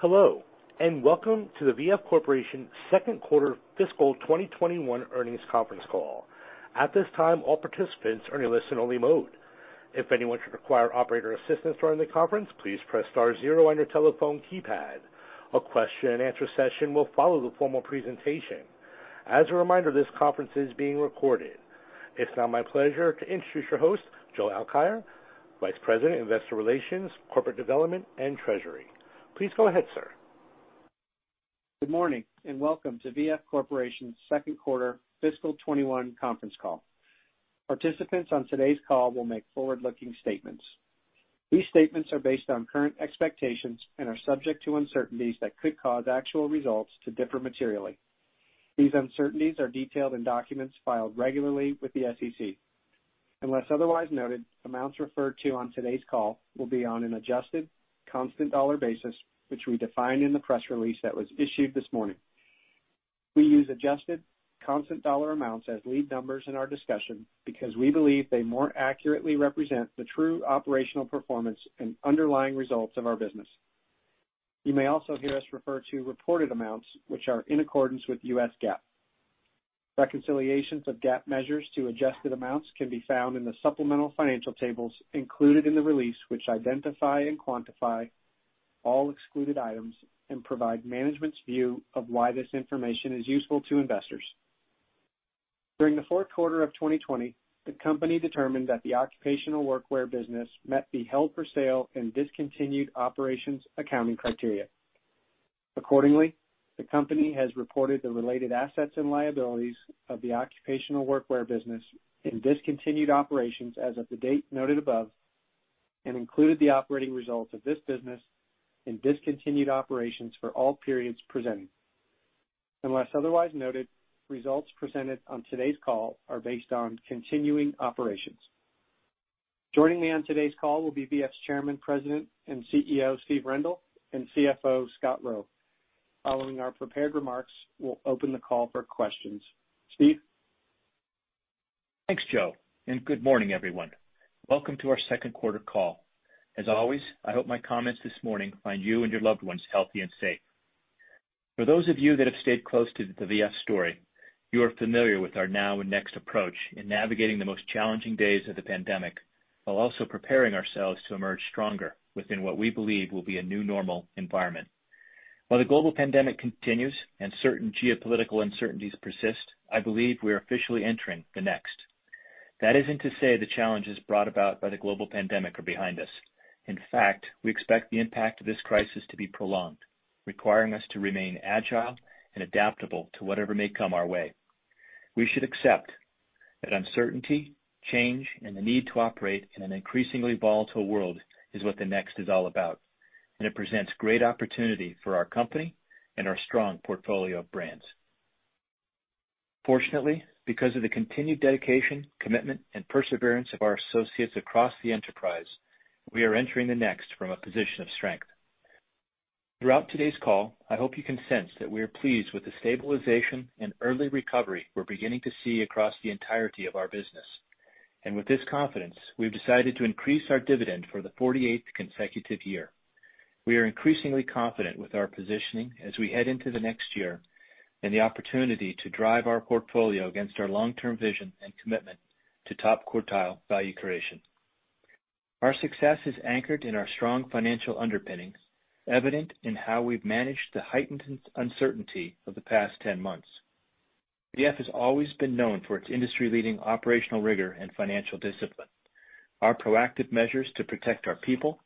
Hello, and welcome to the VF Corporation Second Quarter Fiscal 2021 Earnings Conference Call. It's now my pleasure to introduce your host, Joe Alkire, Vice President, Investor Relations, Corporate Development, and Treasury. Please go ahead, sir. Good morning, and welcome to VF Corporation's Second Quarter Fiscal 2021 Conference Call. Participants on today's call will make forward-looking statements. These statements are based on current expectations and are subject to uncertainties that could cause actual results to differ materially. These uncertainties are detailed in documents filed regularly with the SEC. Unless otherwise noted, amounts referred to on today's call will be on an adjusted constant dollar basis, which we define in the press release that was issued this morning. We use adjusted constant dollar amounts as lead numbers in our discussion because we believe they more accurately represent the true operational performance and underlying results of our business. You may also hear us refer to reported amounts, which are in accordance with US GAAP. Reconciliations of GAAP measures to adjusted amounts can be found in the supplemental financial tables included in the release, which identify and quantify all excluded items and provide management's view of why this information is useful to investors. During the fourth quarter of 2020, the company determined that the occupational workwear business met the held for sale and discontinued operations accounting criteria. Accordingly, the company has reported the related assets and liabilities of the occupational workwear business in discontinued operations as of the date noted above, and included the operating results of this business in discontinued operations for all periods presented. Unless otherwise noted, results presented on today's call are based on continuing operations. Joining me on today's call will be VF's Chairman, President, and CEO, Steve Rendle, and CFO, Scott Roe. Following our prepared remarks, we'll open the call for questions. Steve? Thanks, Joe, and good morning, everyone. Welcome to our second quarter call. As always, I hope my comments this morning find you and your loved ones healthy and safe. For those of you that have stayed close to the VF story, you are familiar with our Now. Next. approach in navigating the most challenging days of the pandemic, while also preparing ourselves to emerge stronger within what we believe will be a new normal environment. While the global pandemic continues and certain geopolitical uncertainties persist, I believe we are officially entering the next. That isn't to say the challenges brought about by the global pandemic are behind us. In fact, we expect the impact of this crisis to be prolonged, requiring us to remain agile and adaptable to whatever may come our way. We should accept that uncertainty, change, and the need to operate in an increasingly volatile world is what the next is all about, and it presents great opportunity for our company and our strong portfolio of brands. Fortunately, because of the continued dedication, commitment, and perseverance of our associates across the enterprise, we are entering the next from a position of strength. Throughout today's call, I hope you can sense that we are pleased with the stabilization and early recovery we're beginning to see across the entirety of our business. With this confidence, we've decided to increase our dividend for the 48th consecutive year. We are increasingly confident with our positioning as we head into the next year, and the opportunity to drive our portfolio against our long-term vision and commitment to top quartile value creation. Our success is anchored in our strong financial underpinnings, evident in how we've managed the heightened uncertainty of the past 10 months. VF has always been known for its industry-leading operational rigor and financial discipline. Our proactive measures to protect our people,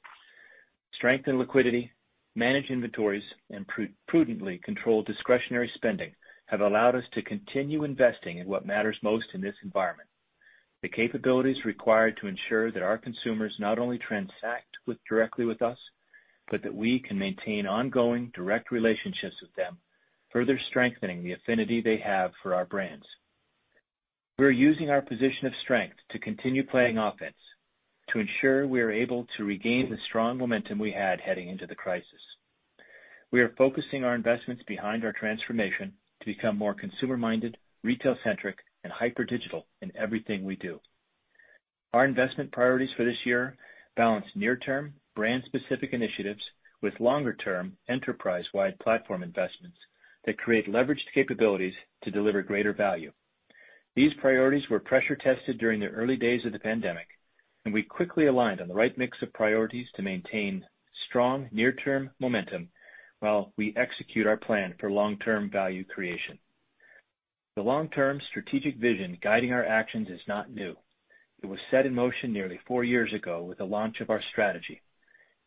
strengthen liquidity, manage inventories, and prudently control discretionary spending have allowed us to continue investing in what matters most in this environment, the capabilities required to ensure that our consumers not only transact directly with us, but that we can maintain ongoing direct relationships with them, further strengthening the affinity they have for our brands. We are using our position of strength to continue playing offense to ensure we are able to regain the strong momentum we had heading into the crisis. We are focusing our investments behind our transformation to become more consumer-minded, retail-centric, and hyper-digital in everything we do. Our investment priorities for this year balance near-term, brand-specific initiatives with longer-term, enterprise-wide platform investments that create leveraged capabilities to deliver greater value. These priorities were pressure tested during the early days of the pandemic. We quickly aligned on the right mix of priorities to maintain strong near-term momentum while we execute our plan for long-term value creation. The long-term strategic vision guiding our actions is not new. It was set in motion nearly four years ago with the launch of our strategy.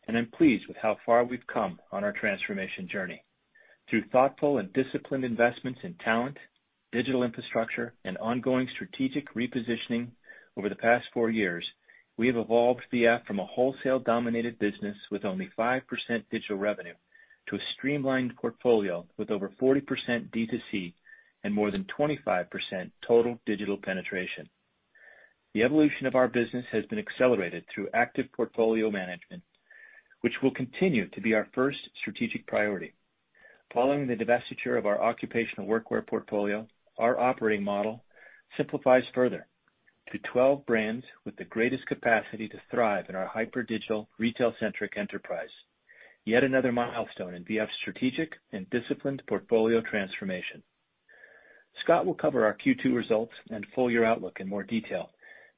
I'm pleased with how far we've come on our transformation journey. Through thoughtful and disciplined investments in talent, digital infrastructure, and ongoing strategic repositioning over the past four years, we have evolved VF from a wholesale dominated business with only 5% digital revenue to a streamlined portfolio with over 40% D2C and more than 25% total digital penetration. The evolution of our business has been accelerated through active portfolio management, which will continue to be our first strategic priority. Following the divestiture of our occupational workwear portfolio, our operating model simplifies further to 12 brands with the greatest capacity to thrive in our hyper digital, retail-centric enterprise. Yet another milestone in VF's strategic and disciplined portfolio transformation. Scott will cover our Q2 results and full year outlook in more detail,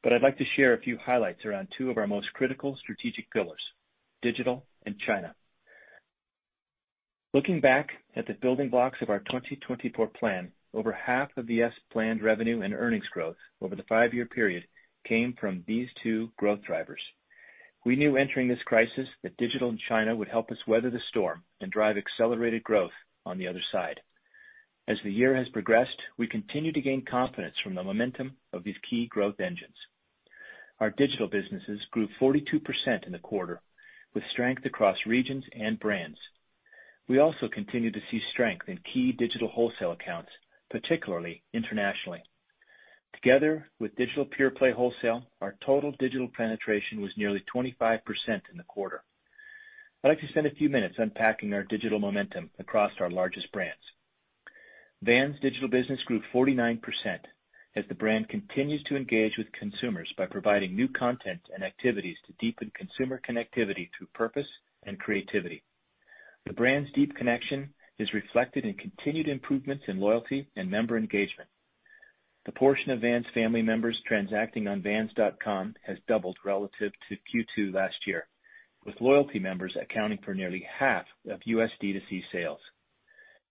but I'd like to share a few highlights around two of our most critical strategic pillars, digital and China. Looking back at the building blocks of our 2024 plan, over half of VF's planned revenue and earnings growth over the five-year period came from these two growth drivers. We knew entering this crisis that digital and China would help us weather the storm and drive accelerated growth on the other side. As the year has progressed, we continue to gain confidence from the momentum of these key growth engines. Our digital businesses grew 42% in the quarter with strength across regions and brands. We also continue to see strength in key digital wholesale accounts, particularly internationally. Together with digital pure play wholesale, our total digital penetration was nearly 25% in the quarter. I'd like to spend a few minutes unpacking our digital momentum across our largest brands. Vans digital business grew 49% as the brand continues to engage with consumers by providing new content and activities to deepen consumer connectivity through purpose and creativity. The brand's deep connection is reflected in continued improvements in loyalty and member engagement. The portion of Vans Family members transacting on vans.com has doubled relative to Q2 last year, with loyalty members accounting for nearly half of U.S. D2C sales.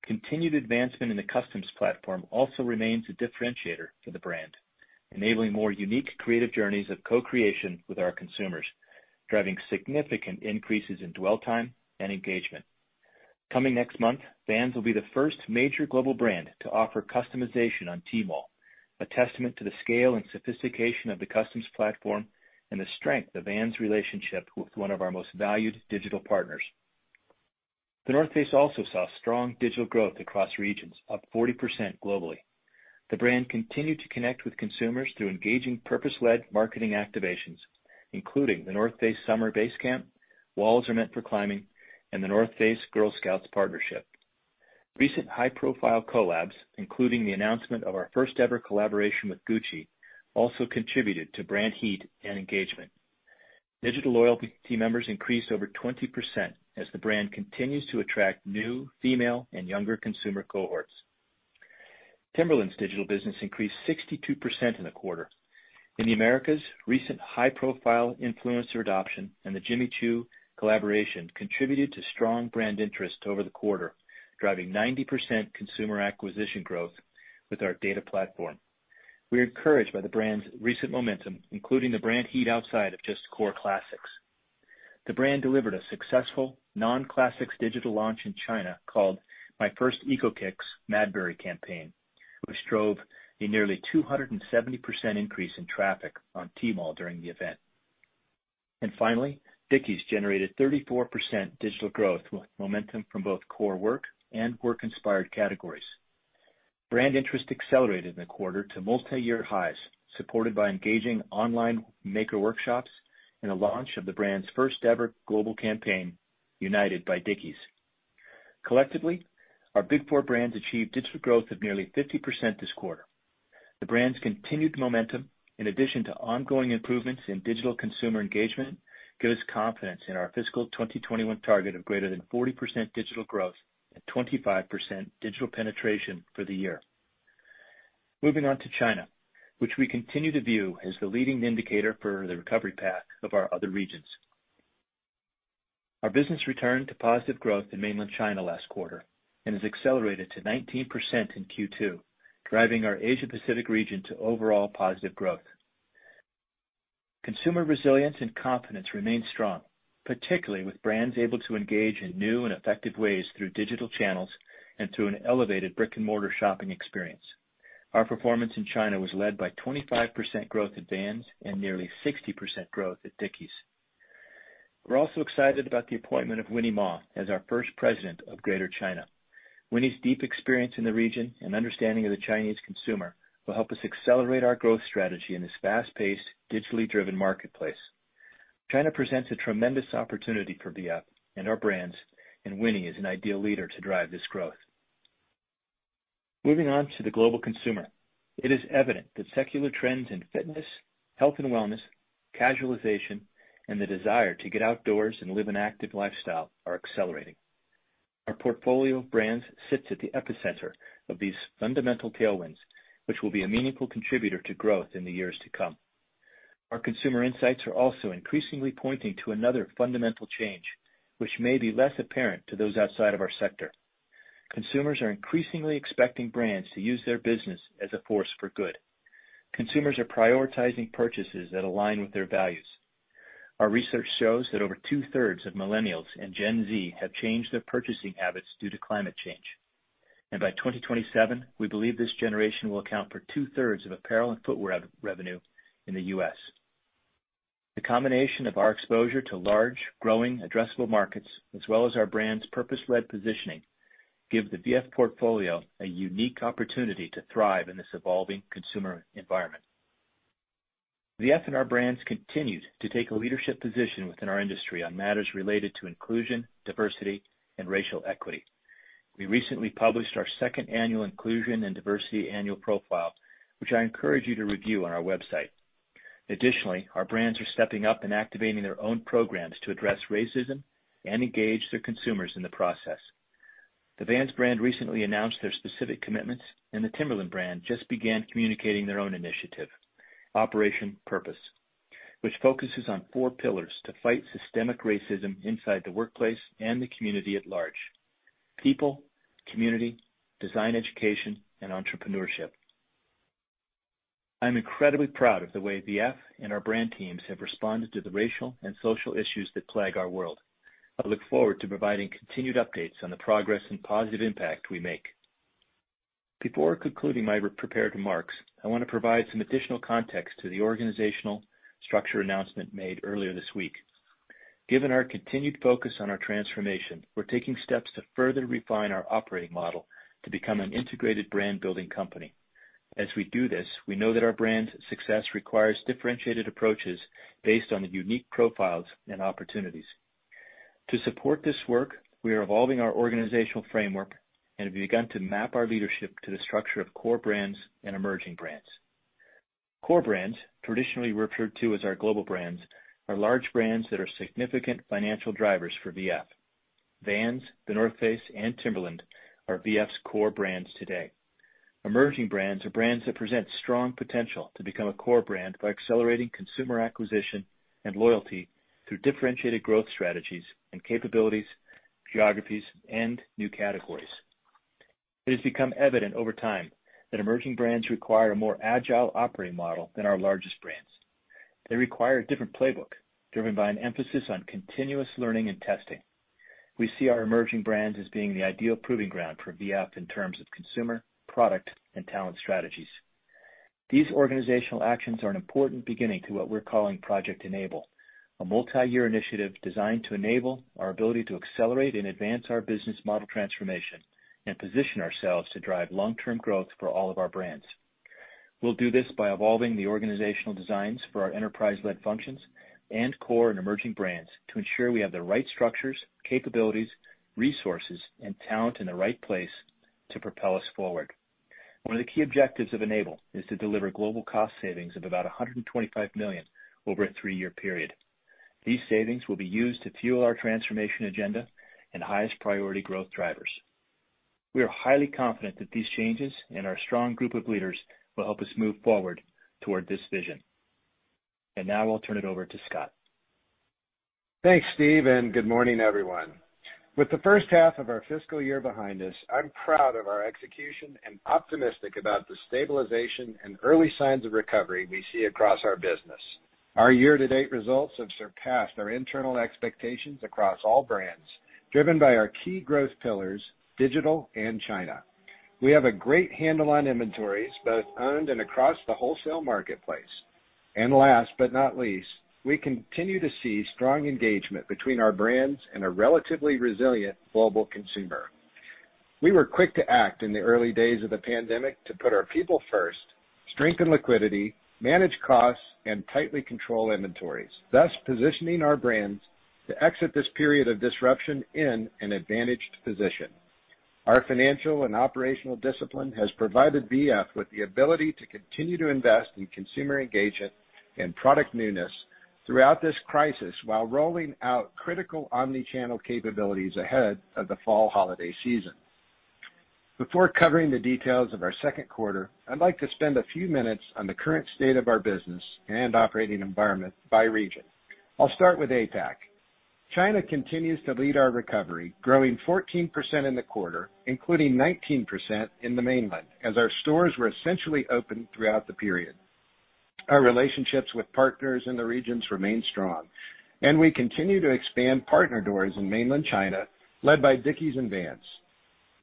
Continued advancement in the customs platform also remains a differentiator for the brand, enabling more unique creative journeys of co-creation with our consumers, driving significant increases in dwell time and engagement. Coming next month, Vans will be the first major global brand to offer customization on Tmall, a testament to the scale and sophistication of the customs platform and the strength of Vans relationship with one of our most valued digital partners. The North Face also saw strong digital growth across regions, up 40% globally. The brand continued to connect with consumers through engaging purpose-led marketing activations, including The North Face Summer Base Camp, Walls Are Meant for Climbing, and The North Face Girl Scouts partnership. Recent high-profile collabs, including the announcement of our first ever collaboration with Gucci, also contributed to brand heat and engagement. Digital loyalty members increased over 20% as the brand continues to attract new female and younger consumer cohorts. Timberland's digital business increased 62% in the quarter. In the Americas, recent high-profile influencer adoption and the Jimmy Choo collaboration contributed to strong brand interest over the quarter, driving 90% consumer acquisition growth with our data platform. We are encouraged by the brand's recent momentum, including the brand heat outside of just core classics. The brand delivered a successful non-classics digital launch in China called My First Eco Kicks Madbury campaign, which drove a nearly 270% increase in traffic on Tmall during the event. Finally, Dickies generated 34% digital growth with momentum from both core Work and Work-inspired categories. Brand interest accelerated in the quarter to multi-year highs, supported by engaging online maker workshops and a launch of the brand's first ever global campaign, United by Dickies. Collectively, our big four brands achieved digital growth of nearly 50% this quarter. The brands continued momentum in addition to ongoing improvements in digital consumer engagement, gives confidence in our fiscal 2021 target of greater than 40% digital growth and 25% digital penetration for the year. Moving on to China, which we continue to view as the leading indicator for the recovery path of our other regions. Our business returned to positive growth in mainland China last quarter and has accelerated to 19% in Q2, driving our Asia Pacific region to overall positive growth. Consumer resilience and confidence remains strong, particularly with brands able to engage in new and effective ways through digital channels and through an elevated brick-and-mortar shopping experience. Our performance in China was led by 25% growth at Vans and nearly 60% growth at Dickies. We're also excited about the appointment of Winnie Ma as our first President of Greater China. Winnie's deep experience in the region and understanding of the Chinese consumer will help us accelerate our growth strategy in this fast-paced, digitally driven marketplace. China presents a tremendous opportunity for VF and our brands, Winnie is an ideal leader to drive this growth. Moving on to the global consumer. It is evident that secular trends in fitness, health and wellness, casualization, and the desire to get outdoors and live an active lifestyle are accelerating. Our portfolio of brands sits at the epicenter of these fundamental tailwinds, which will be a meaningful contributor to growth in the years to come. Our consumer insights are also increasingly pointing to another fundamental change, which may be less apparent to those outside of our sector. Consumers are increasingly expecting brands to use their business as a force for good. Consumers are prioritizing purchases that align with their values. Our research shows that over two-thirds of millennials and Gen Z have changed their purchasing habits due to climate change. By 2027, we believe this generation will account for 2/3 of apparel and footwear revenue in the U.S. The combination of our exposure to large, growing addressable markets, as well as our brand's purpose-led positioning, give the VF portfolio a unique opportunity to thrive in this evolving consumer environment. VF and our brands continued to take a leadership position within our industry on matters related to inclusion, diversity, and racial equity. We recently published our second annual Inclusion and Diversity Annual Profile, which I encourage you to review on our website. Additionally, our brands are stepping up and activating their own programs to address racism and engage their consumers in the process. The Vans brand recently announced their specific commitments, and the Timberland brand just began communicating their own initiative, Operation Purpose, which focuses on four pillars to fight systemic racism inside the workplace and the community at large, people, community, design education, and entrepreneurship. I am incredibly proud of the way VF and our brand teams have responded to the racial and social issues that plague our world. I look forward to providing continued updates on the progress and positive impact we make. Before concluding my prepared remarks, I want to provide some additional context to the organizational structure announcement made earlier this week. Given our continued focus on our transformation, we're taking steps to further refine our operating model to become an integrated brand-building company. As we do this, we know that our brands' success requires differentiated approaches based on the unique profiles and opportunities. To support this work, we are evolving our organizational framework and have begun to map our leadership to the structure of core brands and emerging brands. Core brands, traditionally referred to as our global brands, are large brands that are significant financial drivers for VF. Vans, The North Face, and Timberland are VF's core brands today. Emerging brands are brands that present strong potential to become a core brand by accelerating consumer acquisition and loyalty through differentiated growth strategies and capabilities, geographies, and new categories. It has become evident over time that emerging brands require a more agile operating model than our largest brands. They require a different playbook, driven by an emphasis on continuous learning and testing. We see our emerging brands as being the ideal proving ground for VF in terms of consumer, product, and talent strategies. These organizational actions are an important beginning to what we're calling Project Enable, a multi-year initiative designed to enable our ability to accelerate and advance our business model transformation and position ourselves to drive long-term growth for all of our brands. We'll do this by evolving the organizational designs for our enterprise-led functions and core and emerging brands to ensure we have the right structures, capabilities, resources, and talent in the right place to propel us forward. One of the key objectives of Project Enable is to deliver global cost savings of about $125 million over a three-year period. These savings will be used to fuel our transformation agenda and highest priority growth drivers. We are highly confident that these changes and our strong group of leaders will help us move forward toward this vision. Now I'll turn it over to Scott. Thanks, Steve, and good morning, everyone. With the first half of our fiscal year behind us, I'm proud of our execution and optimistic about the stabilization and early signs of recovery we see across our business. Our year-to-date results have surpassed our internal expectations across all brands, driven by our key growth pillars, digital and China. We have a great handle on inventories, both owned and across the wholesale marketplace. Last but not least, we continue to see strong engagement between our brands and a relatively resilient global consumer. We were quick to act in the early days of the pandemic to put our people first, strengthen liquidity, manage costs, and tightly control inventories, thus positioning our brands to exit this period of disruption in an advantaged position. Our financial and operational discipline has provided VF with the ability to continue to invest in consumer engagement and product newness throughout this crisis, while rolling out critical omni-channel capabilities ahead of the fall holiday season. Before covering the details of our second quarter, I'd like to spend a few minutes on the current state of our business and operating environment by region. I'll start with APAC. China continues to lead our recovery, growing 14% in the quarter, including 19% in the mainland, as our stores were essentially open throughout the period. Our relationships with partners in the regions remain strong, and we continue to expand partner doors in mainland China, led by Dickies and Vans.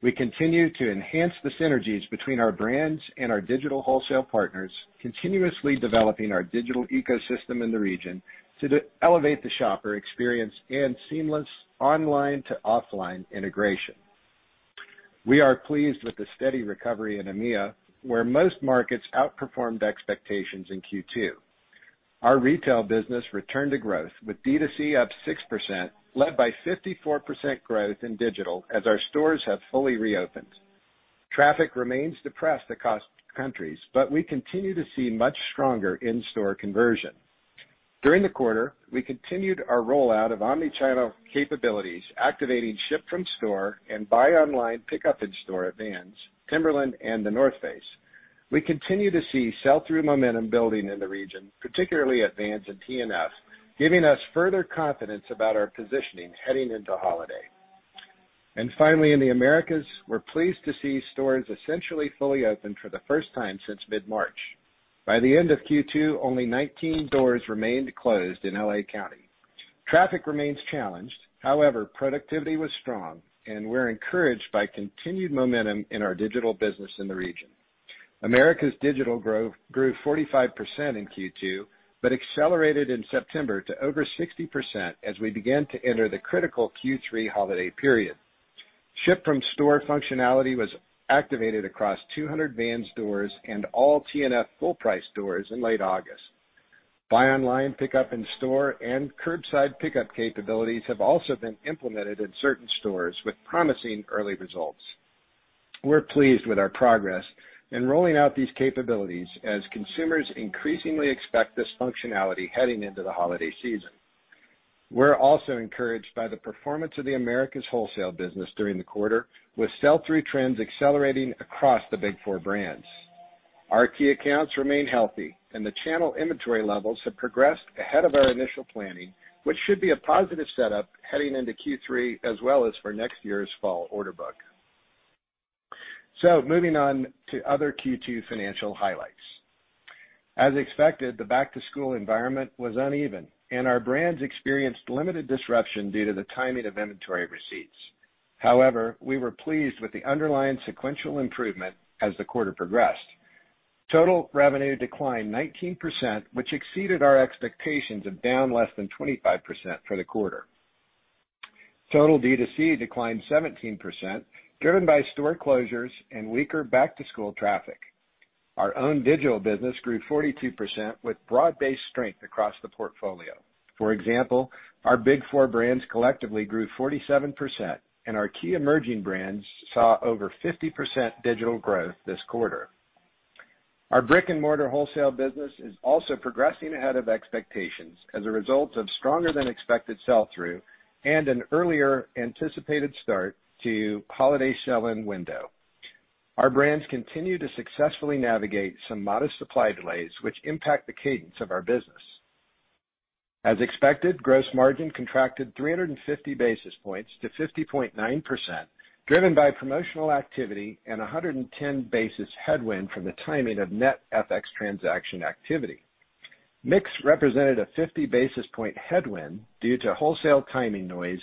We continue to enhance the synergies between our brands and our digital wholesale partners, continuously developing our digital ecosystem in the region to elevate the shopper experience and seamless online-to-offline integration. We are pleased with the steady recovery in EMEA, where most markets outperformed expectations in Q2. Our retail business returned to growth with D2C up 6%, led by 54% growth in digital as our stores have fully reopened. Traffic remains depressed across countries, we continue to see much stronger in-store conversion. During the quarter, we continued our rollout of omni-channel capabilities, activating ship from store and buy online pickup in store at Vans, Timberland, and The North Face. We continue to see sell-through momentum building in the region, particularly at Vans and TNF, giving us further confidence about our positioning heading into holiday. Finally, in the Americas, we're pleased to see stores essentially fully open for the first time since mid-March. By the end of Q2, only 19 doors remained closed in L.A. County. Traffic remains challenged. However, productivity was strong, and we're encouraged by continued momentum in our digital business in the region. Americas digital growth grew 45% in Q2, but accelerated in September to over 60% as we began to enter the critical Q3 holiday period. Ship from store functionality was activated across 200 Vans stores and all TNF full price stores in late August. Buy online, pickup in store, and curbside pickup capabilities have also been implemented in certain stores with promising early results. We're pleased with our progress in rolling out these capabilities as consumers increasingly expect this functionality heading into the holiday season. We're also encouraged by the performance of the Americas wholesale business during the quarter, with sell-through trends accelerating across the big four brands. Our key accounts remain healthy, and the channel inventory levels have progressed ahead of our initial planning, which should be a positive setup heading into Q3 as well as for next year's fall order book. Moving on to other Q2 financial highlights. As expected, the back-to-school environment was uneven, and our brands experienced limited disruption due to the timing of inventory receipts. However, we were pleased with the underlying sequential improvement as the quarter progressed. Total revenue declined 19%, which exceeded our expectations of down less than 25% for the quarter. Total D2C declined 17%, driven by store closures and weaker back-to-school traffic. Our own digital business grew 42% with broad-based strength across the portfolio. For example, our big four brands collectively grew 47%, and our key emerging brands saw over 50% digital growth this quarter. Our brick-and-mortar wholesale business is also progressing ahead of expectations as a result of stronger than expected sell-through and an earlier anticipated start to holiday sell-in window. Our brands continue to successfully navigate some modest supply delays which impact the cadence of our business. As expected, gross margin contracted 350 basis points to 50.9%, driven by promotional activity and 110 basis headwind from the timing of net FX transaction activity. Mix represented a 50 basis point headwind due to wholesale timing noise,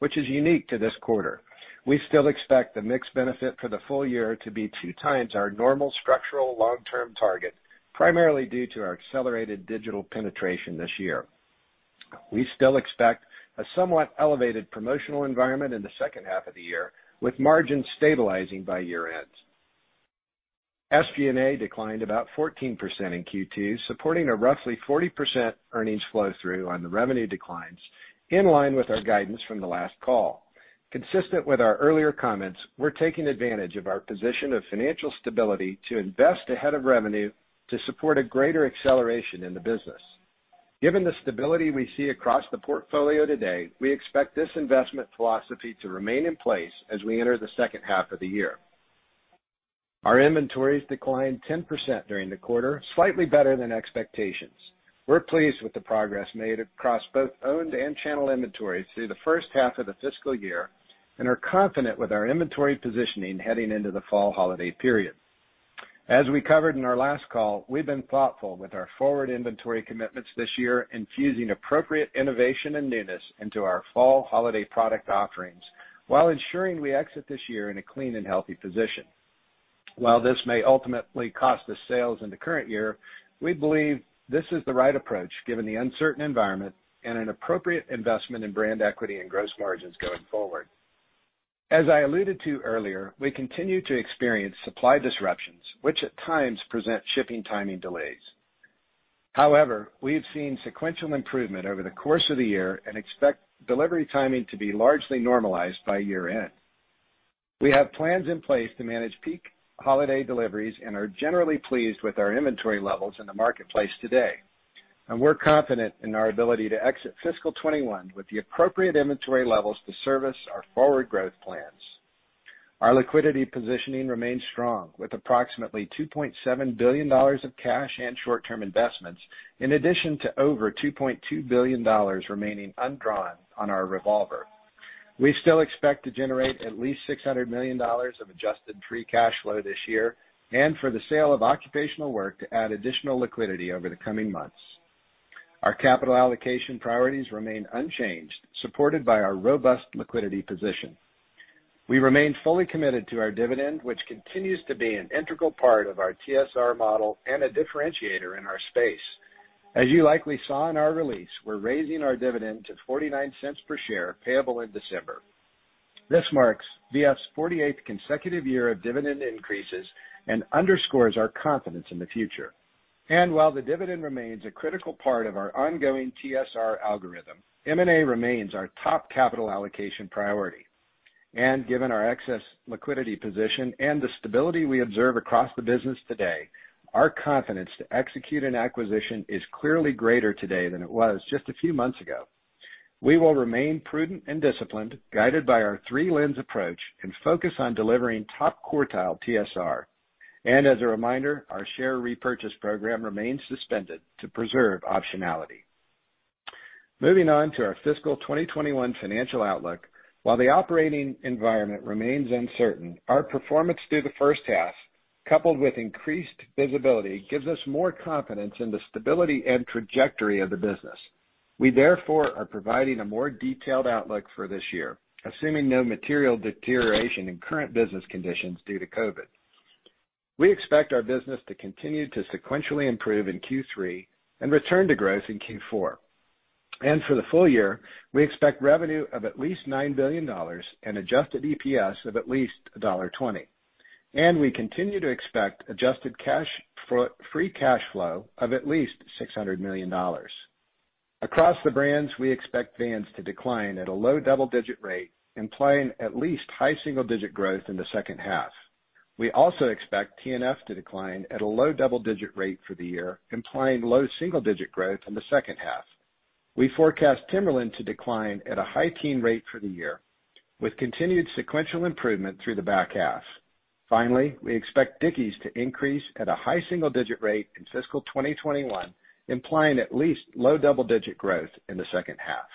which is unique to this quarter. We still expect the mix benefit for the full year to be two times our normal structural long-term target, primarily due to our accelerated digital penetration this year. We still expect a somewhat elevated promotional environment in the second half of the year, with margins stabilizing by year-end. SG&A declined about 14% in Q2, supporting a roughly 40% earnings flow through on the revenue declines, in line with our guidance from the last call. Consistent with our earlier comments, we're taking advantage of our position of financial stability to invest ahead of revenue to support a greater acceleration in the business. Given the stability we see across the portfolio today, we expect this investment philosophy to remain in place as we enter the second half of the year. Our inventories declined 10% during the quarter, slightly better than expectations. We're pleased with the progress made across both owned and channel inventories through the first half of the fiscal year and are confident with our inventory positioning heading into the fall holiday period. As we covered in our last call, we've been thoughtful with our forward inventory commitments this year, infusing appropriate innovation and newness into our fall holiday product offerings while ensuring we exit this year in a clean and healthy position. While this may ultimately cost us sales in the current year, we believe this is the right approach given the uncertain environment and an appropriate investment in brand equity and gross margins going forward. As I alluded to earlier, we continue to experience supply disruptions, which at times present shipping timing delays. However, we have seen sequential improvement over the course of the year and expect delivery timing to be largely normalized by year-end. We have plans in place to manage peak holiday deliveries and are generally pleased with our inventory levels in the marketplace today, and we're confident in our ability to exit fiscal 2021 with the appropriate inventory levels to service our forward growth plans. Our liquidity positioning remains strong with approximately $2.7 billion of cash and short-term investments, in addition to over $2.2 billion remaining undrawn on our revolver. We still expect to generate at least $600 million of adjusted free cash flow this year and for the sale of occupational work to add additional liquidity over the coming months. Our capital allocation priorities remain unchanged, supported by our robust liquidity position. We remain fully committed to our dividend, which continues to be an integral part of our TSR model and a differentiator in our space. As you likely saw in our release, we're raising our dividend to $0.49 per share payable in December. This marks VF's 48th consecutive year of dividend increases and underscores our confidence in the future. While the dividend remains a critical part of our ongoing TSR algorithm, M&A remains our top capital allocation priority. Given our excess liquidity position and the stability we observe across the business today, our confidence to execute an acquisition is clearly greater today than it was just a few months ago. We will remain prudent and disciplined, guided by our three lens approach and focus on delivering top quartile TSR. As a reminder, our share repurchase program remains suspended to preserve optionality. Moving on to our fiscal 2021 financial outlook. While the operating environment remains uncertain, our performance through the first half, coupled with increased visibility, gives us more confidence in the stability and trajectory of the business. We therefore are providing a more detailed outlook for this year, assuming no material deterioration in current business conditions due to COVID. We expect our business to continue to sequentially improve in Q3 and return to growth in Q4. For the full year, we expect revenue of at least $9 billion and adjusted EPS of at least $1.20. We continue to expect adjusted free cash flow of at least $600 million. Across the brands, we expect Vans to decline at a low double-digit rate, implying at least high single-digit growth in the second half. We also expect TNF to decline at a low double-digit rate for the year, implying low single-digit growth in the second half. We forecast Timberland to decline at a high teen rate for the year, with continued sequential improvement through the back half. We expect Dickies to increase at a high single-digit rate in fiscal 2021, implying at least low double-digit growth in the second half.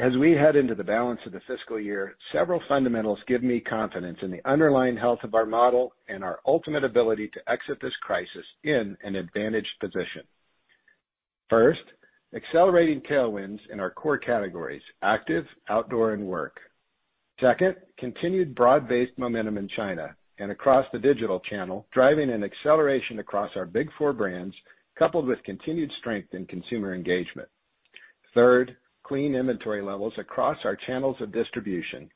As we head into the balance of the fiscal year, several fundamentals give me confidence in the underlying health of our model and our ultimate ability to exit this crisis in an advantaged position. First, accelerating tailwinds in our core categories, Active, Outdoor, and Work. Second, continued broad-based momentum in China and across the digital channel, driving an acceleration across our big four brands, coupled with continued strength in consumer engagement. Third, clean inventory levels across our channels of distribution.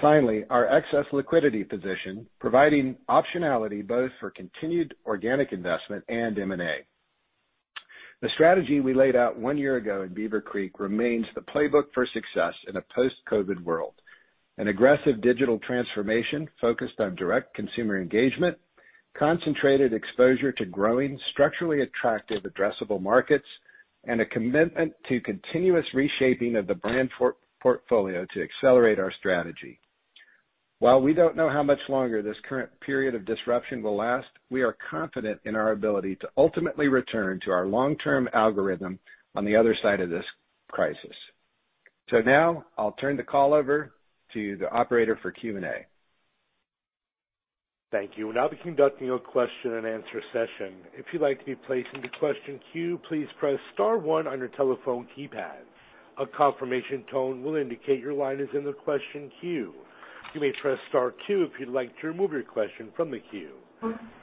Finally, our excess liquidity position, providing optionality both for continued organic investment and M&A. The strategy we laid out one year ago in Beaver Creek remains the playbook for success in a post-COVID world. An aggressive digital transformation focused on direct consumer engagement, concentrated exposure to growing structurally attractive addressable markets, and a commitment to continuous reshaping of the brand portfolio to accelerate our strategy. While we don't know how much longer this current period of disruption will last, we are confident in our ability to ultimately return to our long-term algorithm on the other side of this crisis. Now I'll turn the call over to the operator for Q&A. Thank you. We'll now be conducting a question and answer session. If you'd like to be placed in the question queue, please press star one on your telephone keypad. A confirmation tone will indicate your line is in the question queue. You may press star two if you'd like to remove your question from the queue.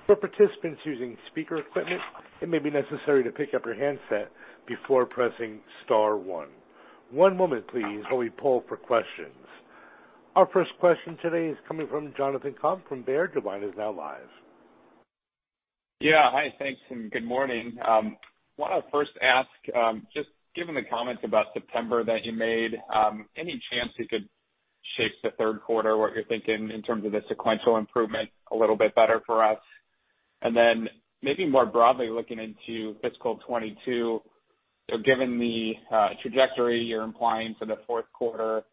For participants using speaker equipment, it may be necessary to pick up your handset before pressing star one. One moment please while we poll for question. Our first question today is coming from Jonathan Komp from Baird. Your line is now live. Yeah. Hi, thanks, and good morning. I want to first ask, just given the comments about September that you made, any chance you could shape the third quarter, what you're thinking in terms of the sequential improvement a little bit better for us? Then maybe more broadly looking into fiscal 2022, given the trajectory you're implying for the fourth quarter,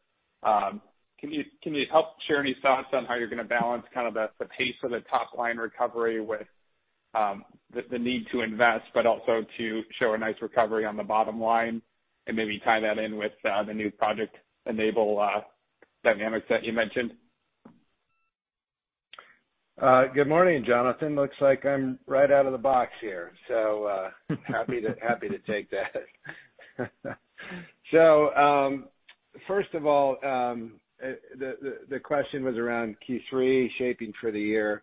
can you help share any thoughts on how you're going to balance the pace of the top-line recovery with the need to invest, but also to show a nice recovery on the bottom line and maybe tie that in with the new Project Enable dynamics that you mentioned? Good morning, Jonathan. Looks like I'm right out of the box here, happy to take that. First of all, the question was around Q3 shaping for the year.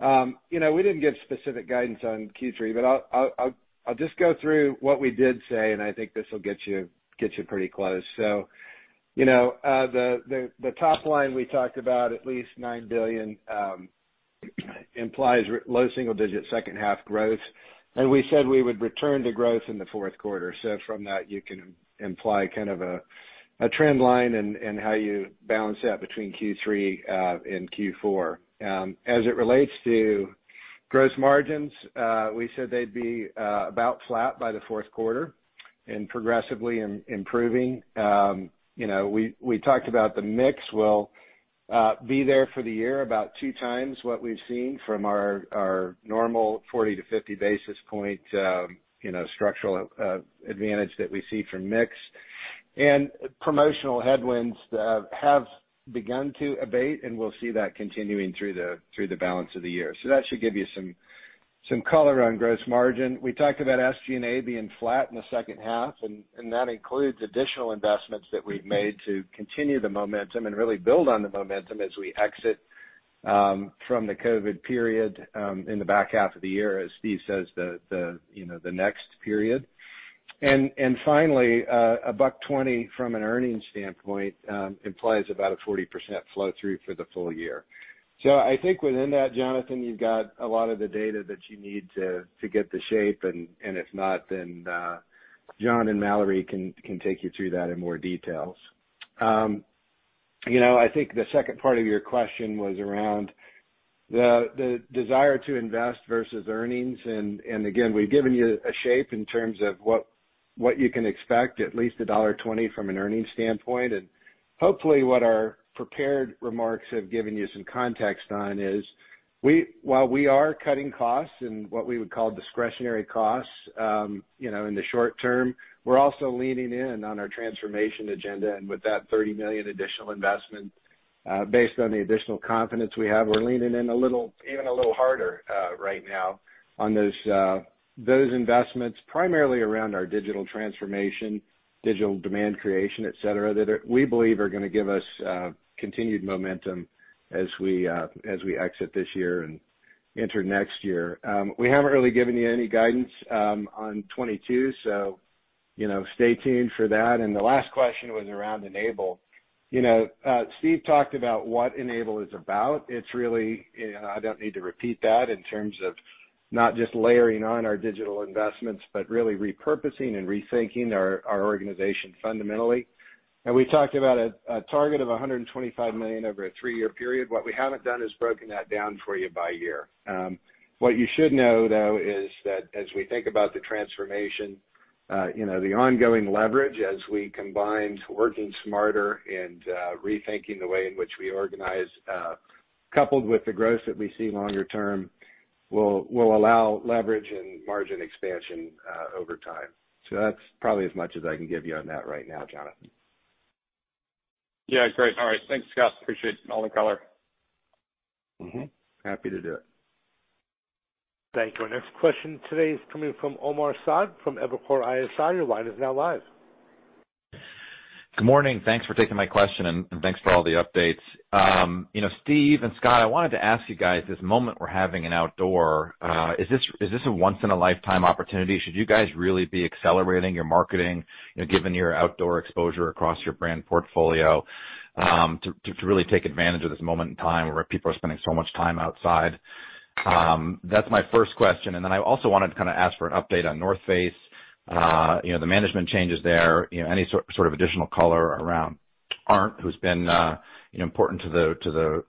We didn't give specific guidance on Q3, I'll just go through what we did say, and I think this will get you pretty close. The top line we talked about at least $9 billion implies low single-digit second half growth. We said we would return to growth in the fourth quarter. From that, you can imply a trend line and how you balance that between Q3 and Q4. As it relates to gross margins, we said they'd be about flat by the fourth quarter and progressively improving. We talked about the mix will be there for the year about two times what we've seen from our normal 40 to 50 basis point structural advantage that we see from mix, and promotional headwinds have begun to abate, and we'll see that continuing through the balance of the year. So that should give you some color on gross margin. We talked about SG&A being flat in the second half, and that includes additional investments that we've made to continue the momentum and really build on the momentum as we exit from the COVID period in the back half of the year, as Steve says, the next period. Finally, $1.20 from an earnings standpoint implies about a 40% flow through for the full year. I think within that, Jonathan, you've got a lot of the data that you need to get the shape. If not, then John and Mallory can take you through that in more details. I think the second part of your question was around the desire to invest versus earnings. Again, we've given you a shape in terms of what you can expect, at least $1.20 from an earnings standpoint. Hopefully what our prepared remarks have given you some context on is while we are cutting costs and what we would call discretionary costs in the short term, we're also leaning in on our transformation agenda. With that $30 million additional investment based on the additional confidence we have, we're leaning in even a little harder right now on those investments, primarily around our digital transformation, digital demand creation, et cetera, that we believe are going to give us continued momentum as we exit this year and enter next year. We haven't really given you any guidance on 2022, stay tuned for that. The last question was around Enable. Steve talked about what Enable is about. I don't need to repeat that in terms of not just layering on our digital investments, but really repurposing and rethinking our organization fundamentally. We talked about a target of $125 million over a three-year period. What we haven't done is broken that down for you by year. What you should know, though, is that as we think about the transformation, the ongoing leverage as we combined working smarter and rethinking the way in which we organize, coupled with the growth that we see longer term, will allow leverage and margin expansion over time. That's probably as much as I can give you on that right now, Jonathan. Yeah, great. All right. Thanks, Scott. Appreciate all the color. Happy to do it. Thank you. Our next question today is coming from Omar Saad from Evercore ISI. Your line is now live. Good morning. Thanks for taking my question, and thanks for all the updates. Steve and Scott, I wanted to ask you guys, this moment we're having in Outdoor, is this a once in a lifetime opportunity? Should you guys really be accelerating your marketing, given your Outdoor exposure across your brand portfolio, to really take advantage of this moment in time where people are spending so much time outside? Then I also wanted to ask for an update on The North Face. The management changes there, any sort of additional color around Arne, who's been important to the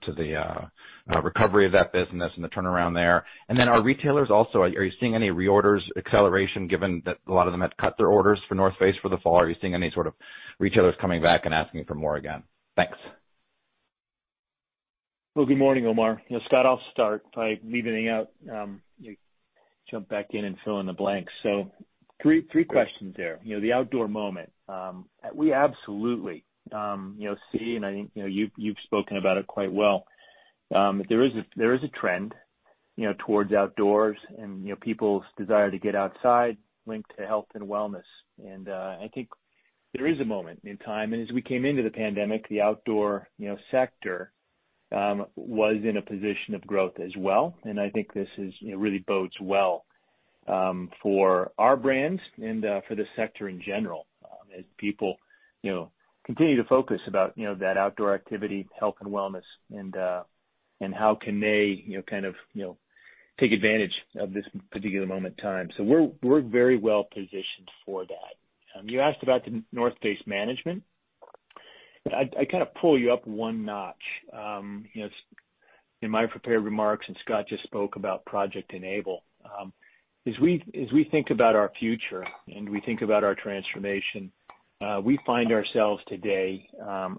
recovery of that business and the turnaround there. Then our retailers also, are you seeing any reorders acceleration given that a lot of them had cut their orders for The North Face for the fall? Are you seeing any sort of retailers coming back and asking for more again? Thanks. Good morning, Omar. Scott, I'll start. If I leave anything out, you jump back in and fill in the blanks. Three questions there. The outdoor moment. We absolutely see, I think you've spoken about it quite well. There is a trend towards outdoors and people's desire to get outside linked to health and wellness. I think there is a moment in time, and as we came into the pandemic, the Outdoor sector was in a position of growth as well. I think this really bodes well for our brands and for the sector in general as people continue to focus about that outdoor activity, health and wellness and how can they take advantage of this particular moment in time. We're very well positioned for that. You asked about The North Face management. I pull you up one notch. In my prepared remarks, Scott just spoke about Project Enable. As we think about our future and we think about our transformation, we find ourselves today a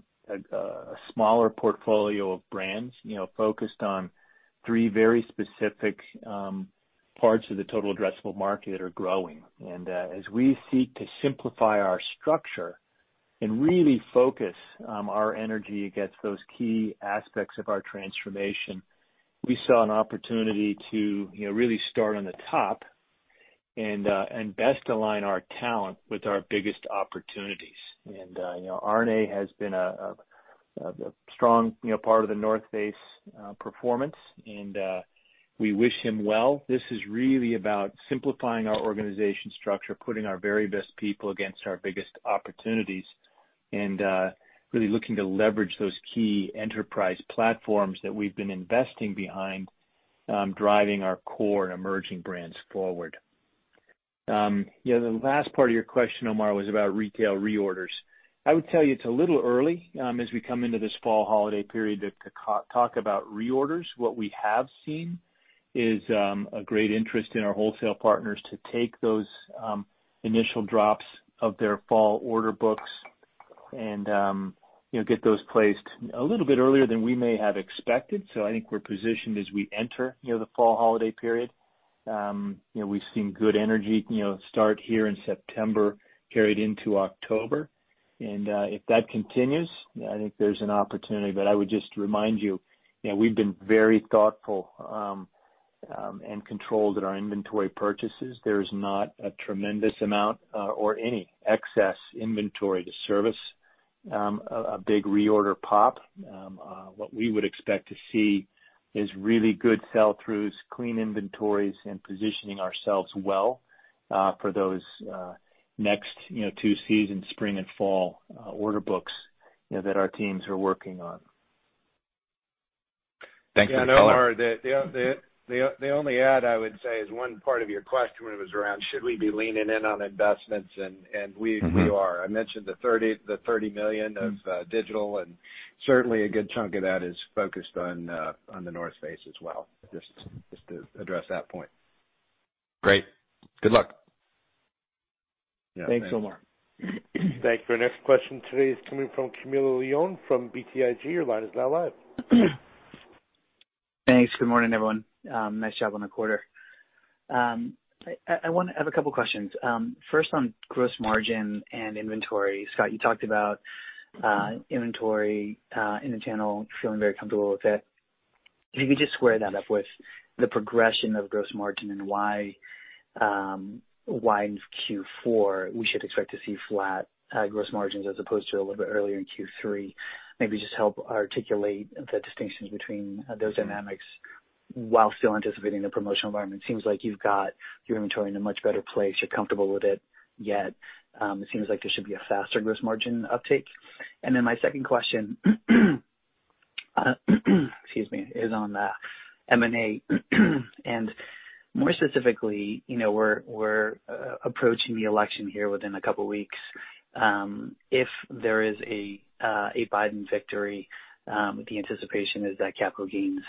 smaller portfolio of brands focused on three very specific parts of the total addressable market that are growing. As we seek to simplify our structure and really focus our energy against those key aspects of our transformation, we saw an opportunity to really start on the top and best align our talent with our biggest opportunities. Arne has been a strong part of The North Face performance, and we wish him well. This is really about simplifying our organization structure, putting our very best people against our biggest opportunities, and really looking to leverage those key enterprise platforms that we've been investing behind, driving our core and emerging brands forward. The last part of your question, Omar, was about retail reorders. I would tell you it's a little early as we come into this fall holiday period to talk about reorders. What we have seen is a great interest in our wholesale partners to take those initial drops of their fall order books and get those placed a little bit earlier than we may have expected. I think we're positioned as we enter the fall holiday period. We've seen good energy start here in September, carried into October. If that continues, I think there's an opportunity. I would just remind you, we've been very thoughtful and controlled at our inventory purchases. There is not a tremendous amount or any excess inventory to service a big reorder pop. What we would expect to see is really good sell-throughs, clean inventories, and positioning ourselves well for those next two seasons, spring and fall order books that our teams are working on. Thanks for the color. The only add I would say is one part of your question was around should we be leaning in on investments. We are. I mentioned the $30 million of digital. Certainly a good chunk of that is focused on The North Face as well, just to address that point. Great. Good luck. Thanks, Omar. Thank you. Our next question today is coming from Camilo Lyon from BTIG. Your line is now live. Thanks. Good morning, everyone. Nice job on the quarter. I have a couple questions. First on gross margin and inventory. Scott, you talked about inventory in the channel, feeling very comfortable with it. Can you just square that up with the progression of gross margin and why in Q4 we should expect to see flat gross margins as opposed to a little bit earlier in Q3. Maybe just help articulate the distinctions between those dynamics while still anticipating the promotional environment. Seems like you've got your inventory in a much better place. You're comfortable with it, yet it seems like there should be a faster gross margin uptake. My second question excuse me, is on the M&A. More specifically, we're approaching the election here within a couple of weeks. If there is a Biden victory, the anticipation is that capital gains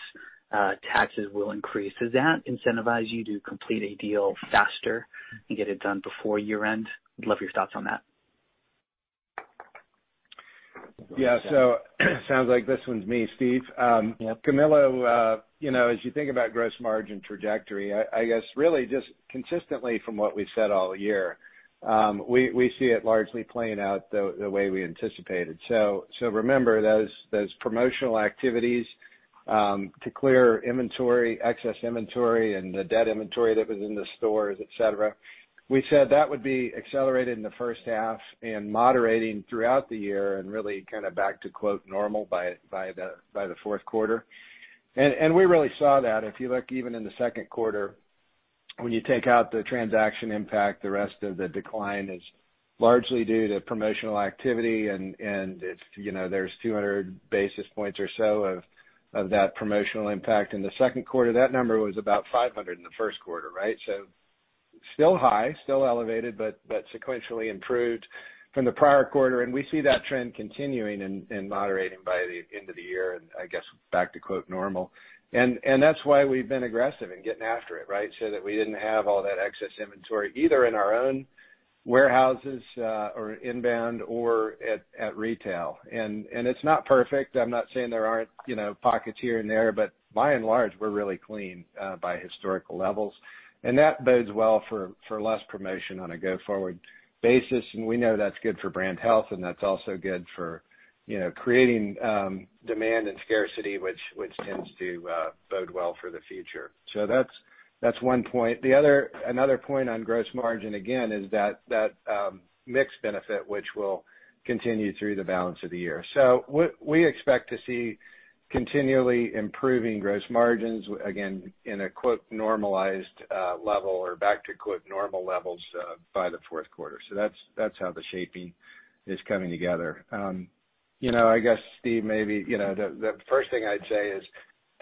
taxes will increase. Does that incentivize you to complete a deal faster and get it done before year-end? We'd love your thoughts on that. Yeah. sounds like this one's me, Steve. Yep. Camilo, as you think about gross margin trajectory, I guess really just consistently from what we've said all year, we see it largely playing out the way we anticipated. Remember, those promotional activities to clear excess inventory and the dead inventory that was in the stores, et cetera, we said that would be accelerated in the first half and moderating throughout the year and really back to quote "normal" by the fourth quarter. We really saw that. If you look even in the second quarter, when you take out the transaction impact, the rest of the decline is largely due to promotional activity and there's 200 basis points or so of that promotional impact in the second quarter. That number was about 500 in the first quarter, right? Still high, still elevated, but sequentially improved from the prior quarter, and we see that trend continuing and moderating by the end of the year and I guess back to quote "normal." That's why we've been aggressive in getting after it, right? That we didn't have all that excess inventory either in our own warehouses or inbound or at retail. It's not perfect. I'm not saying there aren't pockets here and there, but by and large, we're really clean by historical levels. That bodes well for less promotion on a go-forward basis. We know that's good for brand health, and that's also good for creating demand and scarcity, which tends to bode well for the future. That's one point. Another point on gross margin, again, is that mix benefit, which will continue through the balance of the year. We expect to see continually improving gross margins, again, in a quote "normalized" level or back to quote "normal" levels by the fourth quarter. That's how the shaping is coming together. I guess, Steve, maybe the first thing I'd say is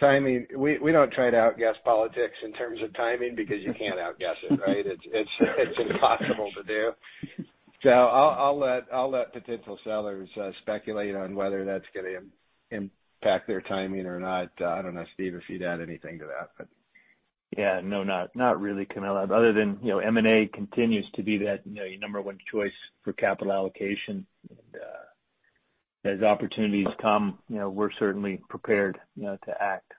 timing. We don't try to outguess politics in terms of timing because you can't outguess it, right? It's impossible to do. I'll let potential sellers speculate on whether that's going to impact their timing or not. I don't know, Steve, if you'd add anything to that. Yeah, no, not really, Camilo. Other than M&A continues to be that number one choice for capital allocation. As opportunities come, we're certainly prepared to act.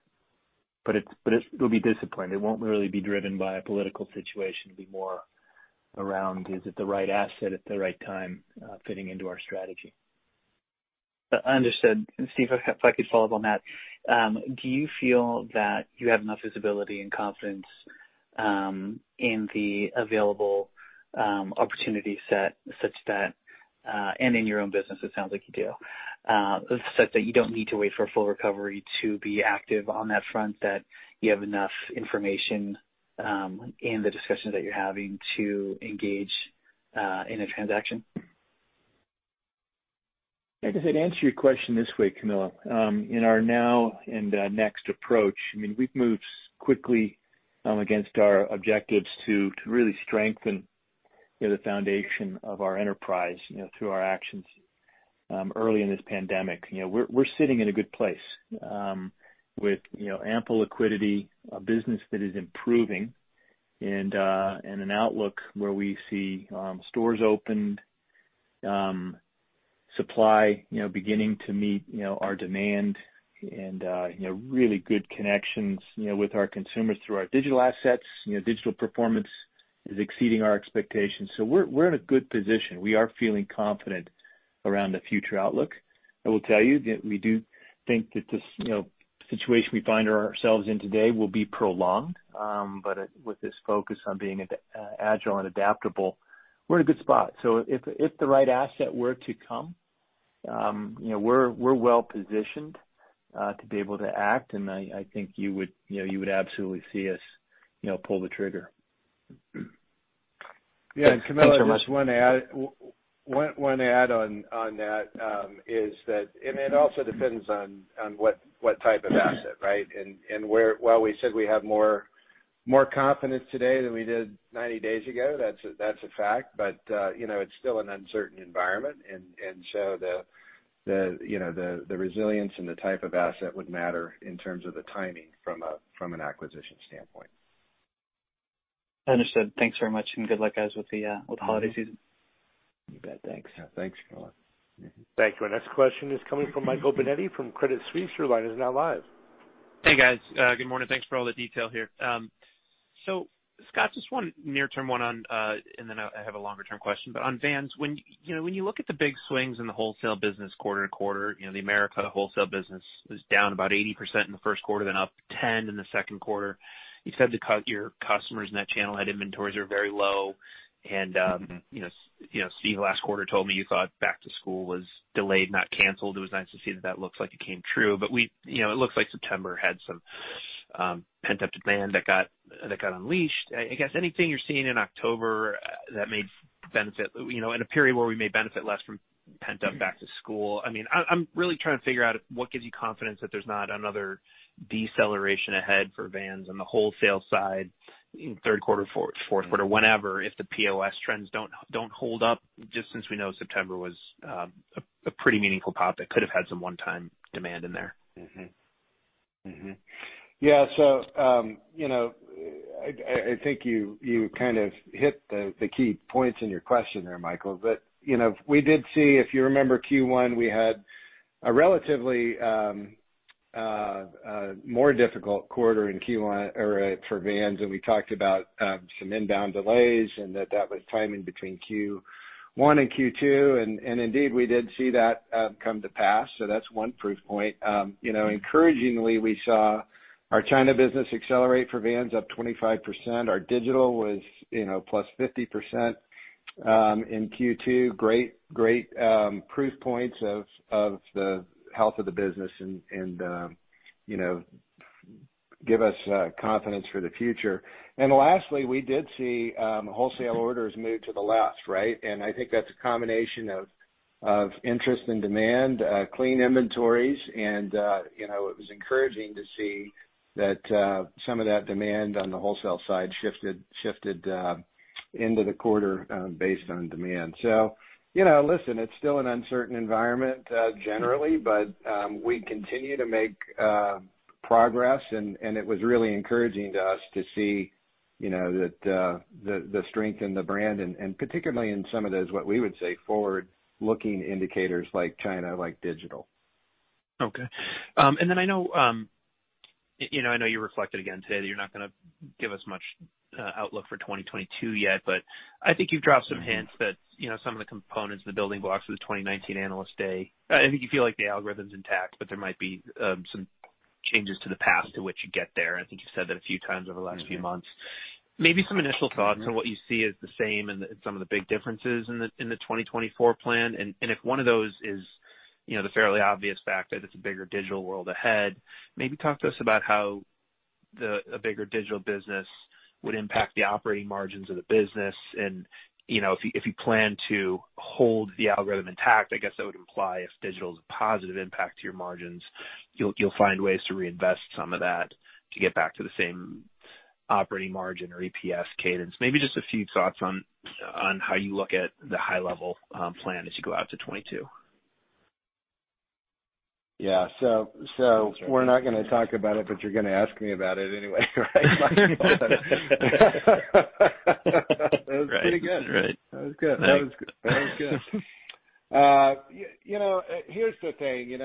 It'll be disciplined. It won't really be driven by a political situation. It'll be more around, is it the right asset at the right time fitting into our strategy? Understood. Steve, if I could follow up on that. Do you feel that you have enough visibility and confidence in the available opportunity set such that, and in your own business, it sounds like you do, such that you don't need to wait for a full recovery to be active on that front, that you have enough information in the discussions that you're having to engage in a transaction? I guess I'd answer your question this way, Camilo. In our Now. Next. approach, we've moved quickly against our objectives to really strengthen the foundation of our enterprise through our actions early in this pandemic. We're sitting in a good place with ample liquidity, a business that is improving, and an outlook where we see stores opened, supply beginning to meet our demand and really good connections with our consumers through our digital assets. Digital performance is exceeding our expectations. We're in a good position. We are feeling confident around the future outlook. I will tell you that we do think that the situation we find ourselves in today will be prolonged. With this focus on being agile and adaptable, we're in a good spot. If the right asset were to come, we're well positioned to be able to act, and I think you would absolutely see us pull the trigger. Thanks very much. Camilo, just one add on that is that, it also depends on what type of asset, right? While we said we have more confidence today than we did 90 days ago, that's a fact, it's still an uncertain environment, the resilience and the type of asset would matter in terms of the timing from an acquisition standpoint. Understood. Thanks very much, and good luck guys with the holiday season. You bet. Thanks. Yeah, thanks, Camilo. Thank you. Our next question is coming from Michael Binetti from Credit Suisse. Your line is now live. Hey, guys. Good morning. Thanks for all the detail here. Scott, just one near term one on and then I have a longer-term question. On Vans, when you look at the big swings in the wholesale business quarter to quarter, the America wholesale business is down about 80% in the first quarter, then up 10% in the second quarter. You said your customers in that channel had inventories are very low and Steve last quarter told me you thought back to school was delayed, not canceled. It was nice to see that looks like it came true. It looks like September had some pent-up demand that got unleashed. I guess anything you're seeing in October that may benefit, in a period where we may benefit less from pent-up back to school. I'm really trying to figure out what gives you confidence that there's not another deceleration ahead for Vans on the wholesale side in third quarter, fourth quarter, whenever, if the POS trends don't hold up, just since we know September was a pretty meaningful pop that could have had some one-time demand in there. I think you kind of hit the key points in your question there, Michael. We did see, if you remember Q1, we had a relatively more difficult quarter for Vans. We talked about some inbound delays and that was timing between Q1 and Q2. Indeed, we did see that come to pass. That's one proof point. Encouragingly, we saw our China business accelerate for Vans, up 25%. Our digital was +50% in Q2. Great proof points of the health of the business and give us confidence for the future. Lastly, we did see wholesale orders move to the left. I think that's a combination of interest and demand, clean inventories, and it was encouraging to see that some of that demand on the wholesale side shifted into the quarter based on demand. Listen, it's still an uncertain environment generally, but we continue to make progress and it was really encouraging to us to see the strength in the brand, and particularly in some of those, what we would say, forward-looking indicators like China, like digital. Okay. I know you reflected again today that you're not going to give us much outlook for 2022 yet, but I think you've dropped some hints that some of the components, the building blocks of the 2019 Analyst Day, I think you feel like the algorithm's intact, but there might be some changes to the path to which you get there. I think you've said that a few times over the last few months. Maybe some initial thoughts on what you see as the same and some of the big differences in the 2024 plan. If one of those is the fairly obvious fact that it's a bigger digital world ahead, maybe talk to us about how a bigger digital business would impact the operating margins of the business and if you plan to hold the algorithm intact. I guess that would imply if digital is a positive impact to your margins, you'll find ways to reinvest some of that to get back to the same operating margin or EPS cadence. Maybe just a few thoughts on how you look at the high level plan as you go out to 2022. Yeah. We're not going to talk about it, but you're going to ask me about it anyway, right? That was pretty good. Right. That was good. Here's the thing.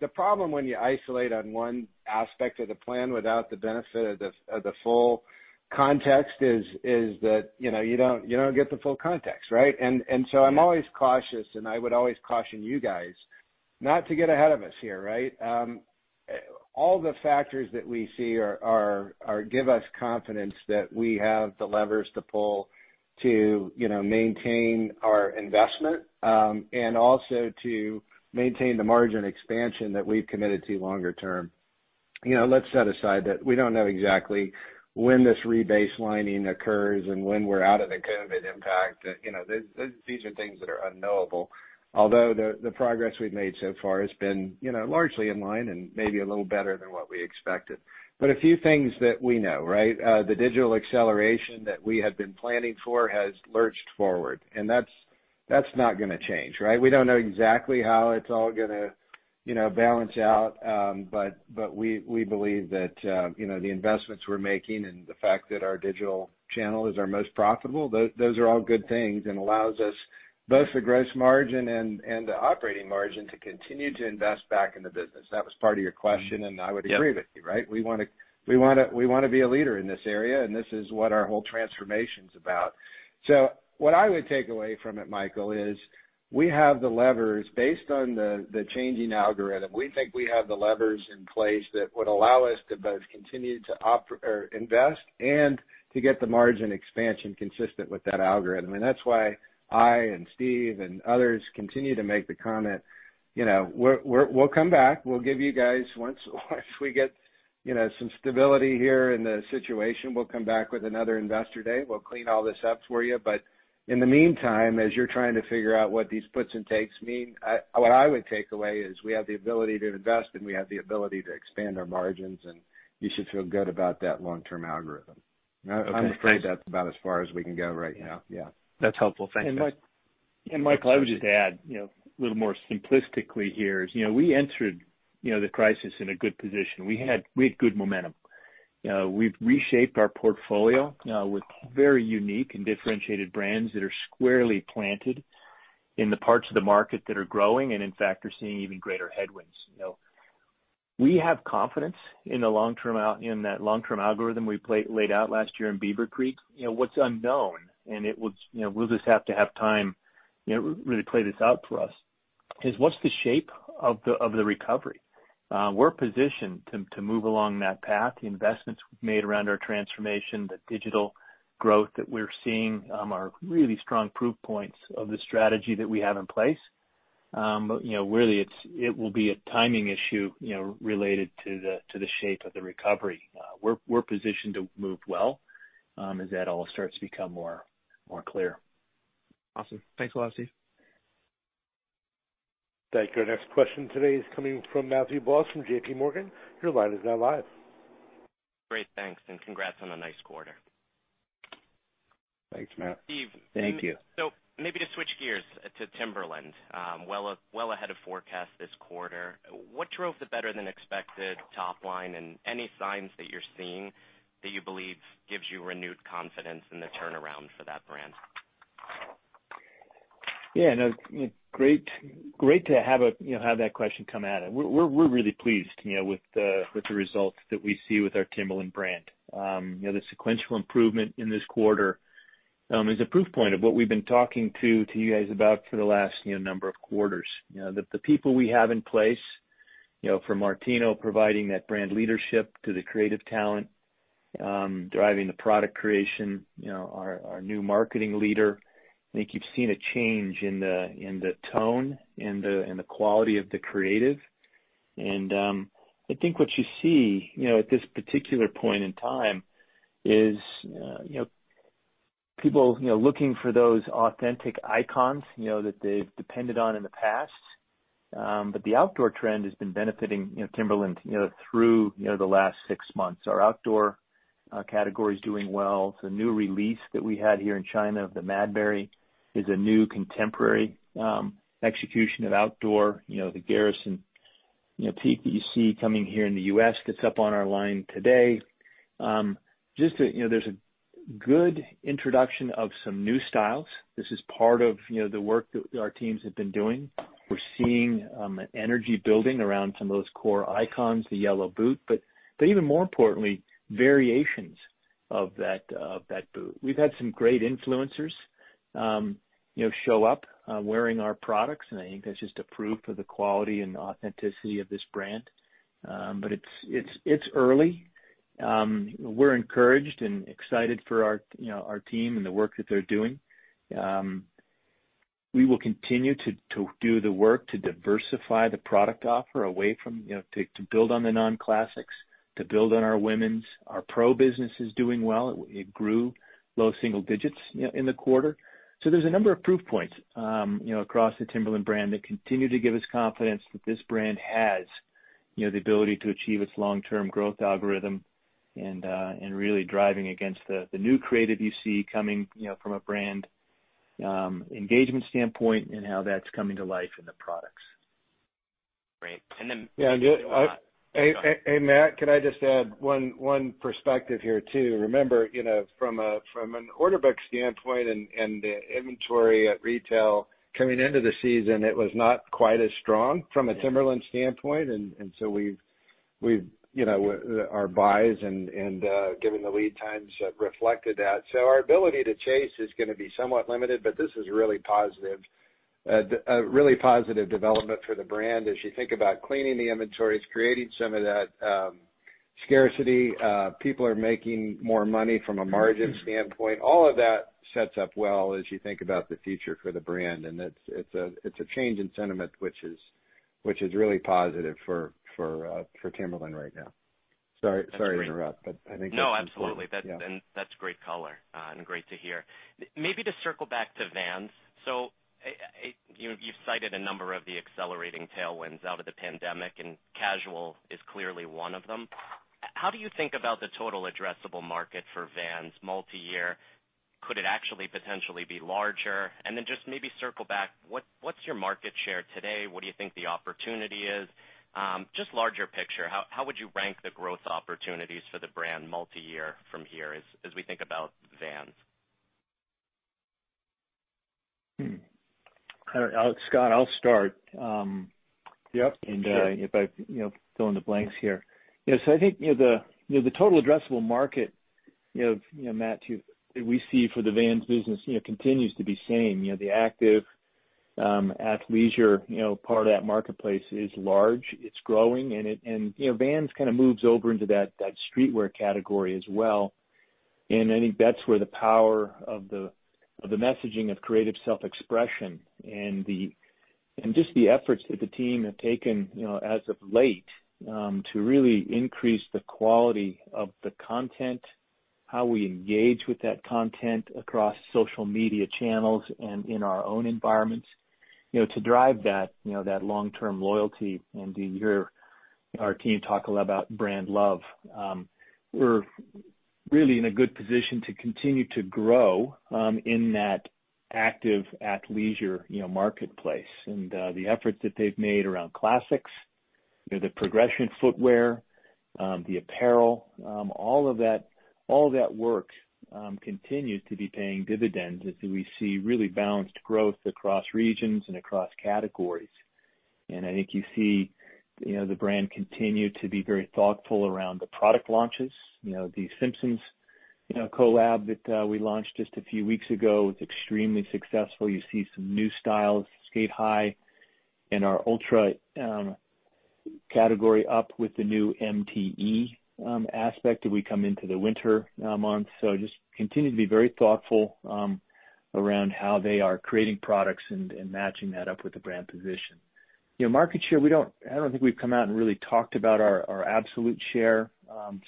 The problem when you isolate on one aspect of the plan without the benefit of the full context is that you don't get the full context, right? I'm always cautious, and I would always caution you guys not to get ahead of us here. All the factors that we see give us confidence that we have the levers to pull to maintain our investment, and also to maintain the margin expansion that we've committed to longer term. Let's set aside that we don't know exactly when this rebaselining occurs and when we're out of the COVID impact. These are things that are unknowable, although the progress we've made so far has been largely in line and maybe a little better than what we expected. A few things that we know. The digital acceleration that we had been planning for has lurched forward, and that's not going to change. We don't know exactly how it's all going to balance out. We believe that the investments we're making and the fact that our digital channel is our most profitable, those are all good things and allows us both the gross margin and the operating margin to continue to invest back in the business. That was part of your question, and I would agree with you. Yep. We want to be a leader in this area, and this is what our whole transformation's about. What I would take away from it, Michael, is we have the levers based on the changing algorithm. We think we have the levers in place that would allow us to both continue to invest and to get the margin expansion consistent with that algorithm. That's why I and Steve and others continue to make the comment, we'll come back. Once we get some stability here in the situation, we'll come back with another investor day. We'll clean all this up for you. In the meantime, as you're trying to figure out what these puts and takes mean, what I would take away is we have the ability to invest, and we have the ability to expand our margins, and you should feel good about that long-term algorithm. I'm afraid that's about as far as we can go right now. Yeah. That's helpful. Thank you. Michael, I would just add a little more simplistically here is. We entered the crisis in a good position. We had good momentum. We've reshaped our portfolio with very unique and differentiated brands that are squarely planted in the parts of the market that are growing and in fact, are seeing even greater headwinds. We have confidence in that long-term algorithm we laid out last year in Beaver Creek. What's unknown, and we'll just have to have time really play this out for us is. What's the shape of the recovery? We're positioned to move along that path. The investments we've made around our transformation, the digital growth that we're seeing, are really strong proof points of the strategy that we have in place. Really, it will be a timing issue related to the shape of the recovery. We're positioned to move well, as that all starts to become more clear. Awesome. Thanks a lot, Steve. Thank you. Our next question today is coming from Matthew Boss from JPMorgan. Your line is now live. Great. Thanks. Congrats on a nice quarter. Thanks, Matt. Thank you. Steve. Maybe to switch gears to Timberland. Well ahead of forecast this quarter. What drove the better-than-expected top line, and any signs that you're seeing that you believe gives you renewed confidence in the turnaround for that brand? No, great to have that question come at it. We're really pleased with the results that we see with our Timberland brand. The sequential improvement in this quarter is a proof point of what we've been talking to you guys about for the last number of quarters. That the people we have in place, from Martino providing that brand leadership to the creative talent driving the product creation, our new marketing leader. I think you've seen a change in the tone and the quality of the creative. I think what you see at this particular point in time is people looking for those authentic icons that they've depended on in the past. The outdoor trend has been benefiting Timberland through the last six months. Our Outdoor category is doing well. The new release that we had here in China of the Madbury is a new contemporary execution of Outdoor. The Garrison that you see coming here in the U.S., that's up on our line today. There's a good introduction of some new styles. This is part of the work that our teams have been doing. We're seeing an energy building around some of those core icons, the yellow boot, but even more importantly, variations of that boot. We've had some great influencers show up wearing our products, and I think that's just a proof of the quality and authenticity of this brand. It's early. We're encouraged and excited for our team and the work that they're doing. We will continue to do the work to diversify the product offer to build on the non-classics, to build on our women's. Our Pro business is doing well. It grew low single digits in the quarter. There's a number of proof points across the Timberland brand that continue to give us confidence that this brand has the ability to achieve its long-term growth algorithm and really driving against the new creative you see coming from a brand engagement standpoint and how that's coming to life in the products. Great. Yeah. Hey, Matt, can I just add one perspective here too? Remember, from an order book standpoint and the inventory at retail coming into the season, it was not quite as strong from a Timberland standpoint. Our buys and given the lead times reflected that. Our ability to chase is going to be somewhat limited, but this is really positive development for the brand as you think about cleaning the inventories, creating some of that scarcity. People are making more money from a margin standpoint. All of that sets up well as you think about the future for the brand, and it's a change in sentiment which is really positive for Timberland right now. Sorry to interrupt, but I think that's important. Yeah. No, absolutely. That's great color and great to hear. Maybe to circle back to Vans. You've cited a number of the accelerating tailwinds out of the pandemic, and casual is clearly one of them. How do you think about the total addressable market for Vans multi-year? Could it actually potentially be larger? Just maybe circle back, what's your market share today? What do you think the opportunity is? Just larger picture, how would you rank the growth opportunities for the brand multi-year from here as we think about Vans? Scott, I'll start. Yep. Sure. If I fill in the blanks here. I think the total addressable market, Matt, that we see for the Vans business continues to be same. The active athleisure part of that marketplace is large, it's growing, and Vans kind of moves over into that streetwear category as well. I think that's where the power of the messaging of creative self-expression and just the efforts that the team have taken as of late to really increase the quality of the content, how we engage with that content across social media channels and in our own environments to drive that long-term loyalty. You hear our team talk a lot about brand love. We're really in a good position to continue to grow in that active athleisure marketplace. The efforts that they've made around classics, the progression footwear, the apparel, all of that work continues to be paying dividends as we see really balanced growth across regions and across categories. I think you see the brand continue to be very thoughtful around the product launches. The Simpsons collab that we launched just a few weeks ago was extremely successful. You see some new styles, Sk8-Hi, and our Ultra category up with the new MTE aspect as we come into the winter months. Just continue to be very thoughtful around how they are creating products and matching that up with the brand position. Market share, I don't think we've come out and really talked about our absolute share.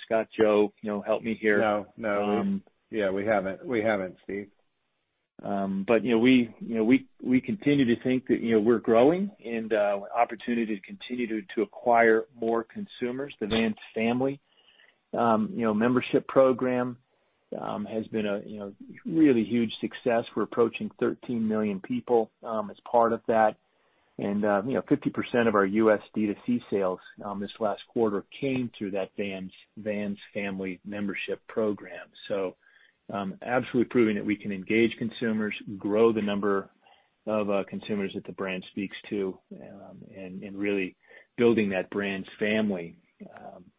Scott, Joe, help me here. No. Yeah, we haven't, Steve. We continue to think that we're growing and opportunity to continue to acquire more consumers. The Vans Family membership program has been a really huge success. We're approaching 13 million people as part of that. 50% of our U.S. D2C sales this last quarter came through that Vans Family membership program. Absolutely proving that we can engage consumers, grow the number of consumers that the brand speaks to, and really building that brand's family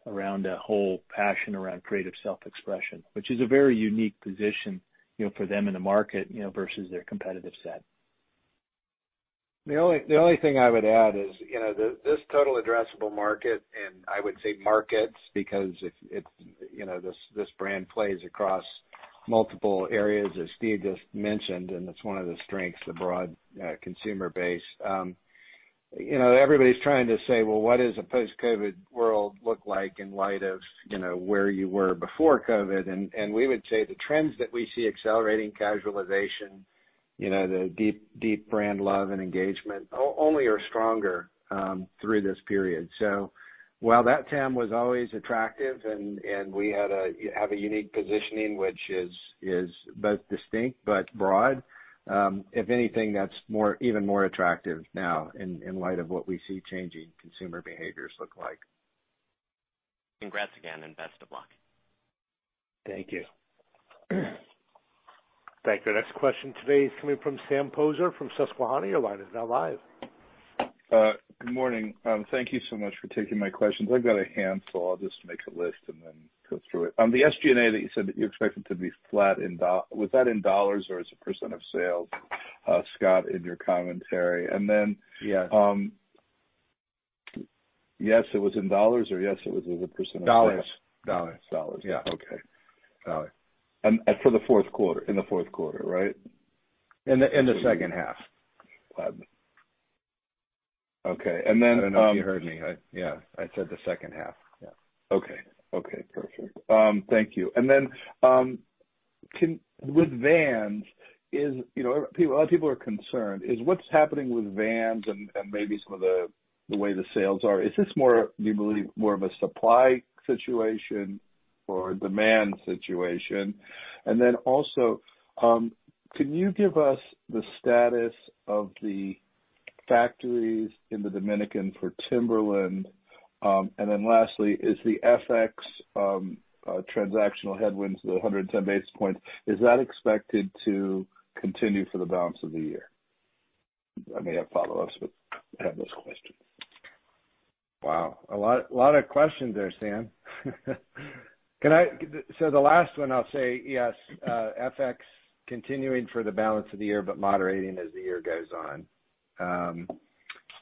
around a whole passion around creative self-expression. Which is a very unique position for them in the market versus their competitive set. The only thing I would add is, this total addressable market, and I would say markets, because this brand plays across multiple areas, as Steve just mentioned, and it's one of the strengths, the broad consumer base. Everybody's trying to say, well, what does a post-COVID world look like in light of where you were before COVID? We would say the trends that we see accelerating casualization, the deep brand love and engagement, only are stronger through this period. While that TAM was always attractive and we have a unique positioning, which is both distinct but broad, if anything, that's even more attractive now in light of what we see changing consumer behaviors look like. Congrats again, and best of luck. Thank you. Thank you. Next question today is coming from Sam Poser from Susquehanna. Your line is now live. Good morning. Thank you so much for taking my questions. I've got a handful. I'll just make a list and then go through it. On the SG&A that you said that you're expecting to be flat, was that in dollars or as a percent of sales, Scott, in your commentary? Yes. Yes, it was in dollars or yes, it was as a percent of sales? Dollars. Dollars. Dollars. Yeah. Okay. Got it. In the fourth quarter, right? In the second half. Okay. I don't know if you heard me. Yeah, I said the second half. Yeah. Perfect. Thank you. With Vans, a lot of people are concerned, is what's happening with Vans and maybe some of the way the sales are. Is this more, you believe, more of a supply situation or a demand situation? Also, can you give us the status of the factories in the Dominican for Timberland? Lastly, is the FX transactional headwinds, the 110 basis points, is that expected to continue for the balance of the year? I may have follow-ups, I have those questions. Wow. A lot of questions there, Sam. The last one I'll say, yes, FX continuing for the balance of the year, but moderating as the year goes on.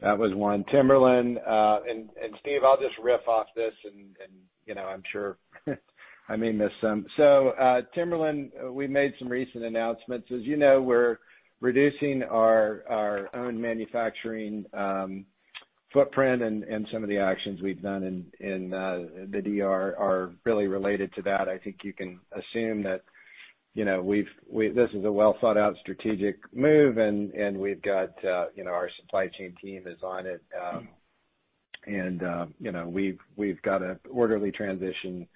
That was one. Timberland, Steve, I'll just riff off this and I'm sure I may miss some. Timberland, we made some recent announcements. As you know, we're reducing our own manufacturing footprint, and some of the actions we've done in the DR are really related to that. I think you can assume that this is a well-thought-out strategic move, and our supply chain team is on it. We've got an orderly transition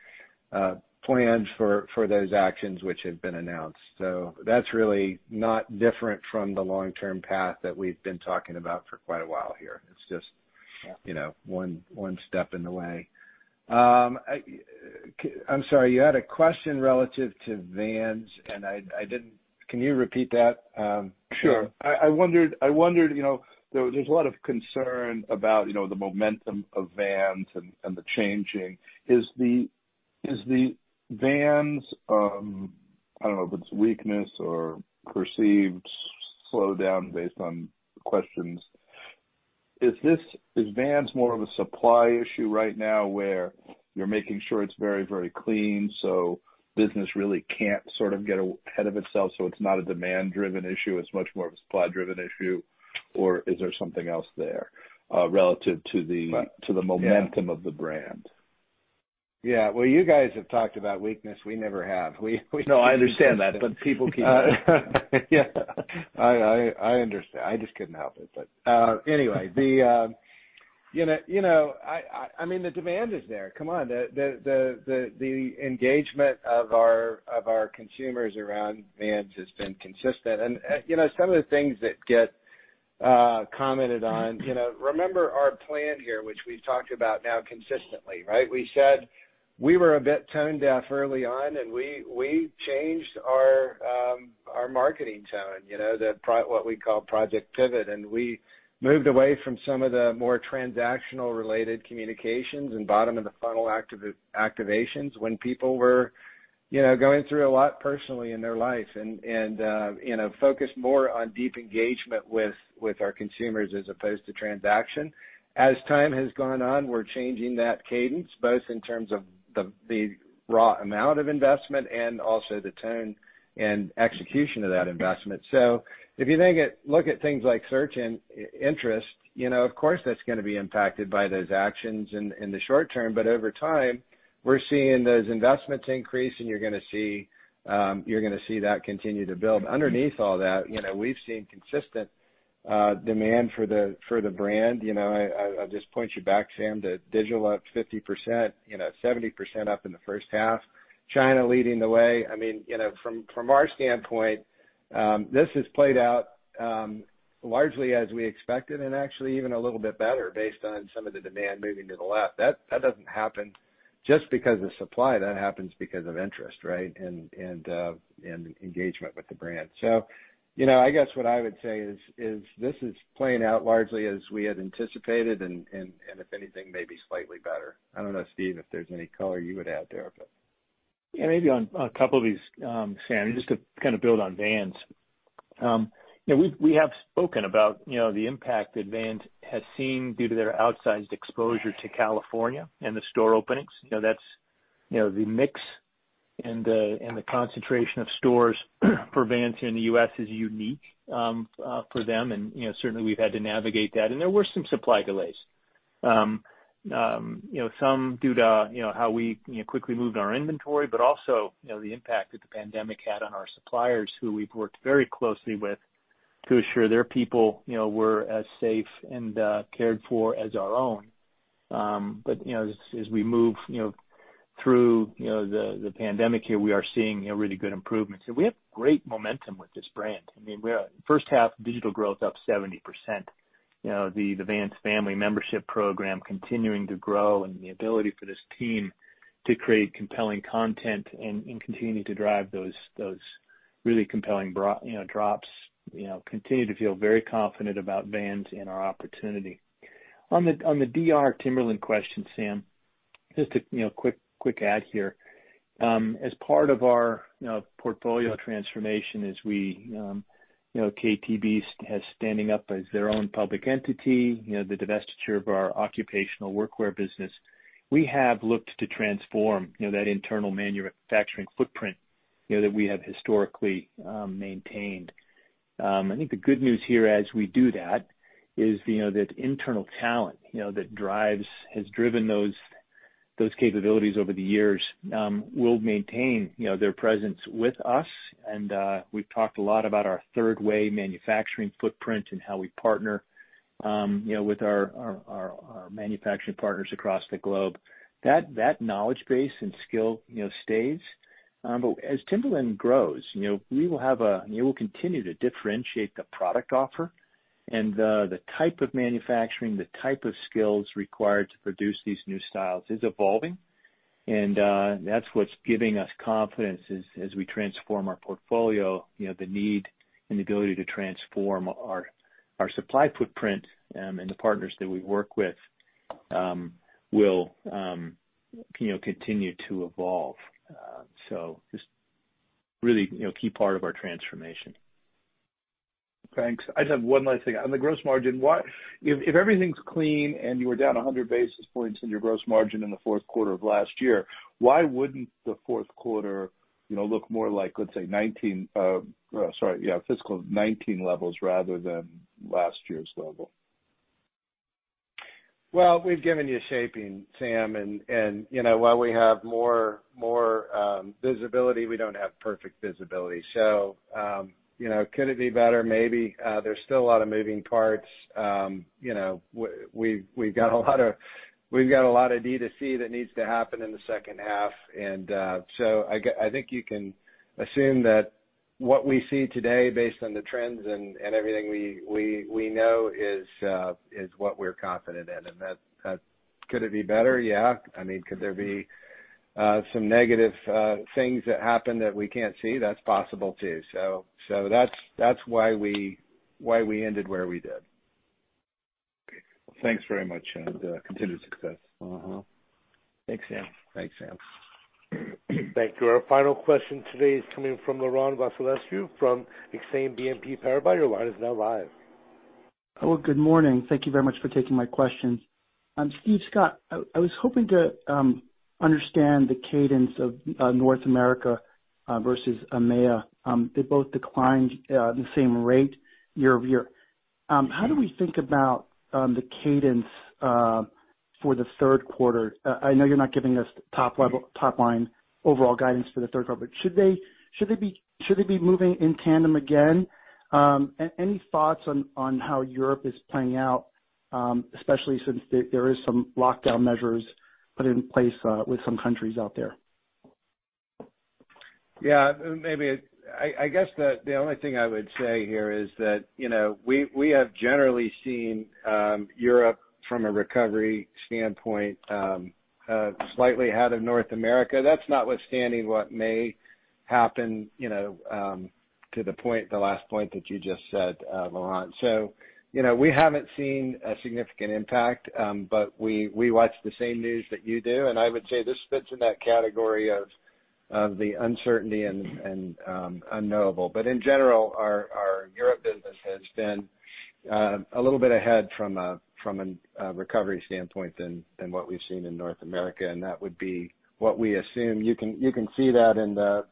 planned for those actions which have been announced. That's really not different from the long-term path that we've been talking about for quite a while here. It's just one step in the way. I'm sorry, you had a question relative to Vans, can you repeat that? Sure. I wondered, there's a lot of concern about the momentum of Vans and the changing. Is the Vans, I don't know if it's weakness or perceived slowdown based on questions? Is Vans more of a supply issue right now where you're making sure it's very, very clean, so business really can't sort of get ahead of itself, so it's not a demand-driven issue, it's much more of a supply-driven issue, or is there something else there relative to the momentum of the brand? Yeah. Well, you guys have talked about weakness, we never have. No, I understand that, but people can. Yeah. I understand. I just couldn't help it. Anyway. I mean, the demand is there. Come on. The engagement of our consumers around Vans has been consistent. Some of the things that get commented on, remember our plan here, which we've talked about now consistently, right? We were a bit toned deaf early on and we changed our marketing tone, what we call Project Pivot, and we moved away from some of the more transactional related communications and bottom of the funnel activations when people were going through a lot personally in their life and focused more on deep engagement with our consumers as opposed to transaction. As time has gone on, we're changing that cadence both in terms of the raw amount of investment and also the tone and execution of that investment. If you look at things like search interest, of course that's going to be impacted by those actions in the short term. Over time, we're seeing those investments increase, and you're going to see that continue to build. Underneath all that, we've seen consistent demand for the brand. I'll just point you back, Sam, to digital up 50%, 70% up in the first half, China leading the way. From our standpoint, this has played out largely as we expected and actually even a little bit better based on some of the demand moving to the left. That doesn't happen just because of supply. That happens because of interest, right, and engagement with the brand. I guess what I would say is this is playing out largely as we had anticipated and if anything, maybe slightly better. I don't know, Steve, if there's any color you would add there. Yeah, maybe on a couple of these, Sam, just to kind of build on Vans. We have spoken about the impact that Vans has seen due to their outsized exposure to California and the store openings. The mix and the concentration of stores for Vans in the U.S. is unique for them, and certainly we've had to navigate that. There were some supply delays. Some due to how we quickly moved our inventory, but also the impact that the pandemic had on our suppliers, who we've worked very closely with to assure their people were as safe and cared for as our own. As we move through the pandemic here, we are seeing really good improvements, and we have great momentum with this brand. First half digital growth up 70%. The Vans Family membership program continuing to grow and the ability for this team to create compelling content and continue to drive those really compelling drops. Continue to feel very confident about Vans and our opportunity. On the DR Timberland question, Sam, just a quick add here. As part of our portfolio transformation as KTB has standing up as their own public entity, the divestiture of our occupational workwear business, we have looked to transform that internal manufacturing footprint that we have historically maintained. I think the good news here as we do that is that internal talent that has driven those capabilities over the years will maintain their presence with us. We've talked a lot about our Third Way manufacturing footprint and how we partner with our manufacturing partners across the globe. That knowledge base and skill stays. As Timberland grows, we will continue to differentiate the product offer and the type of manufacturing, the type of skills required to produce these new styles is evolving, and that's what's giving us confidence as we transform our portfolio, the need and ability to transform our supply footprint and the partners that we work with will continue to evolve. Just really key part of our transformation. Thanks. I just have one last thing. On the gross margin, if everything's clean and you were down 100 basis points in your gross margin in the fourth quarter of last year, why wouldn't the fourth quarter look more like, let's say, fiscal 2019 levels rather than last year's level? Well, we've given you shaping, Sam, and while we have more visibility, we don't have perfect visibility. Could it be better? Maybe. There's still a lot of moving parts. We've got a lot of D2C that needs to happen in the second half, and so I think you can assume that what we see today based on the trends and everything we know is what we're confident in. Could it be better? Yeah. Could there be some negative things that happen that we can't see? That's possible, too. That's why we ended where we did. Thanks very much, and continued success. Mm-hmm. Thanks, Sam. Thanks, Sam. Thank you. Our final question today is coming from Laurent Vasilescu from Exane BNP Paribas. Your line is now live. Well, good morning. Thank you very much for taking my questions. Steve Scott, I was hoping to understand the cadence of North America versus EMEA. They both declined the same rate year-over-year. How do we think about the cadence for the third quarter? I know you're not giving us top-line overall guidance for the third quarter, but should they be moving in tandem again? Any thoughts on how Europe is playing out, especially since there is some lockdown measures put in place with some countries out there? Yeah. I guess the only thing I would say here is that, we have generally seen Europe from a recovery standpoint, slightly ahead of North America. That's notwithstanding what may happen to the last point that you just said, Laurent. We haven't seen a significant impact, but we watch the same news that you do, and I would say this fits in that category of the uncertainty and unknowable. In general, our Europe business has been a little bit ahead from a recovery standpoint than what we've seen in North America, and that would be what we assume. You can see that in the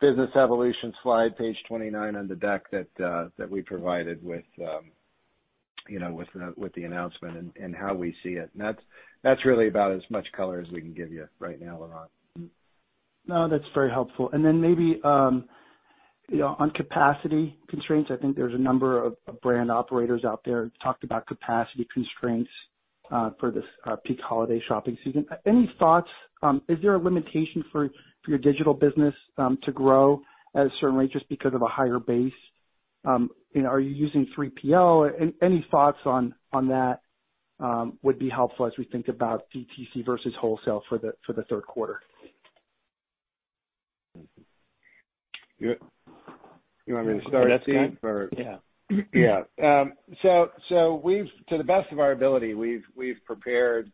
business evolution slide, page 29 on the deck that we provided with the announcement and how we see it. That's really about as much color as we can give you right now, Laurent. No, that's very helpful. Maybe, on capacity constraints, I think there's a number of brand operators out there talked about capacity constraints for this peak holiday shopping season. Any thoughts? Is there a limitation for your digital business to grow at a certain rate just because of a higher base? Are you using 3PL? Any thoughts on that would be helpful as we think about DTC versus wholesale for the third quarter. You want me to start, Steve? That's fine. Yeah. To the best of our ability, we've prepared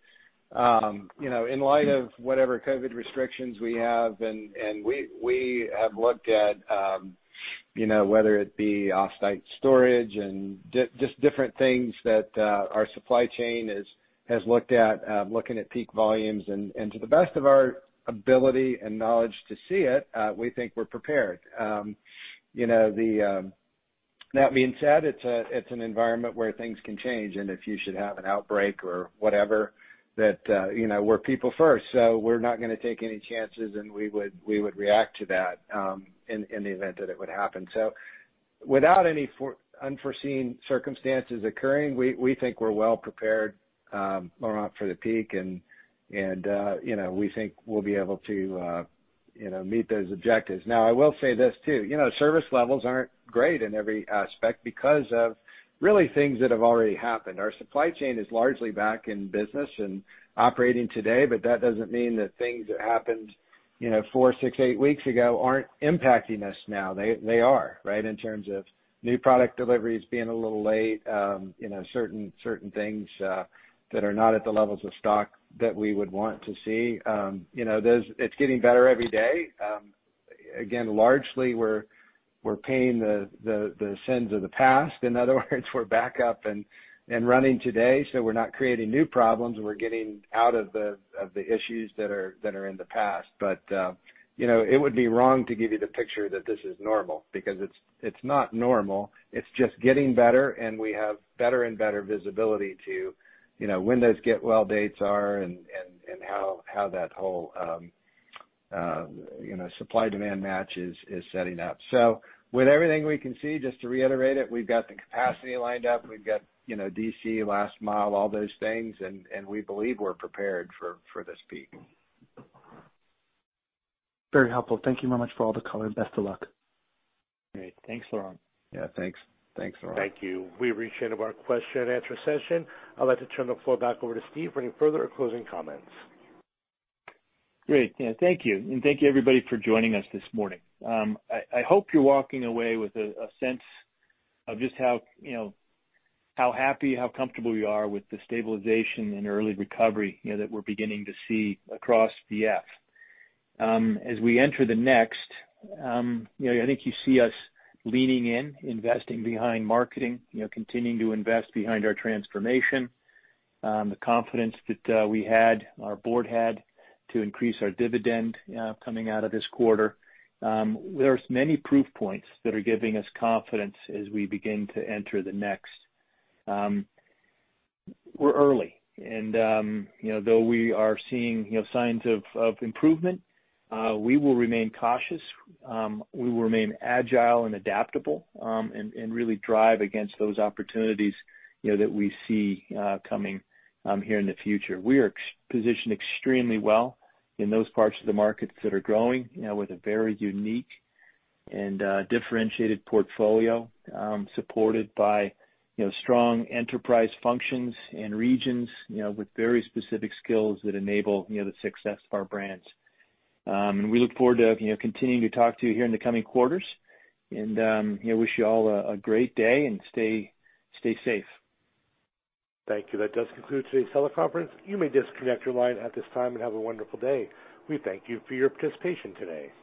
in light of whatever COVID restrictions we have, and we have looked at whether it be off-site storage and just different things that our supply chain has looked at, looking at peak volumes. To the best of our ability and knowledge to see it, we think we're prepared. That being said, it's an environment where things can change, and if you should have an outbreak or whatever, we're people first, so we're not going to take any chances, and we would react to that in the event that it would happen. Without any unforeseen circumstances occurring, we think we're well prepared, Laurent, for the peak, and we think we'll be able to meet those objectives. I will say this too. Service levels aren't great in every aspect because of really things that have already happened. Our supply chain is largely back in business and operating today, but that doesn't mean that things that happened four, six, eight weeks ago aren't impacting us now. They are, right? In terms of new product deliveries being a little late, certain things that are not at the levels of stock that we would want to see. It's getting better every day. Again, largely, we're paying the sins of the past. In other words, we're back up and running today, so we're not creating new problems. We're getting out of the issues that are in the past. It would be wrong to give you the picture that this is normal, because it's not normal. It's just getting better, and we have better and better visibility to when those get-well dates are and how that whole supply-demand match is setting up. With everything we can see, just to reiterate it, we've got the capacity lined up, we've got DC, last mile, all those things, and we believe we're prepared for this peak. Very helpful. Thank you very much for all the color, and best of luck. Great. Thanks, Laurent. Yeah, thanks. Thanks, Laurent. Thank you. We've reached the end of our question and answer session. I'd like to turn the floor back over to Steve for any further or closing comments. Great. Thank you, and thank you, everybody, for joining us this morning. I hope you're walking away with a sense of just how happy, how comfortable we are with the stabilization and early recovery that we're beginning to see across VF. As we enter the next, I think you see us leaning in, investing behind marketing, continuing to invest behind our transformation. The confidence that we had, our board had, to increase our dividend coming out of this quarter. There's many proof points that are giving us confidence as we begin to enter the next. We're early, and though we are seeing signs of improvement, we will remain cautious. We will remain agile and adaptable, and really drive against those opportunities that we see coming here in the future. We are positioned extremely well in those parts of the markets that are growing, with a very unique and differentiated portfolio, supported by strong enterprise functions and regions with very specific skills that enable the success of our brands. We look forward to continuing to talk to you here in the coming quarters, and wish you all a great day, and stay safe. Thank you. That does conclude today's teleconference. You may disconnect your line at this time, and have a wonderful day. We thank you for your participation today.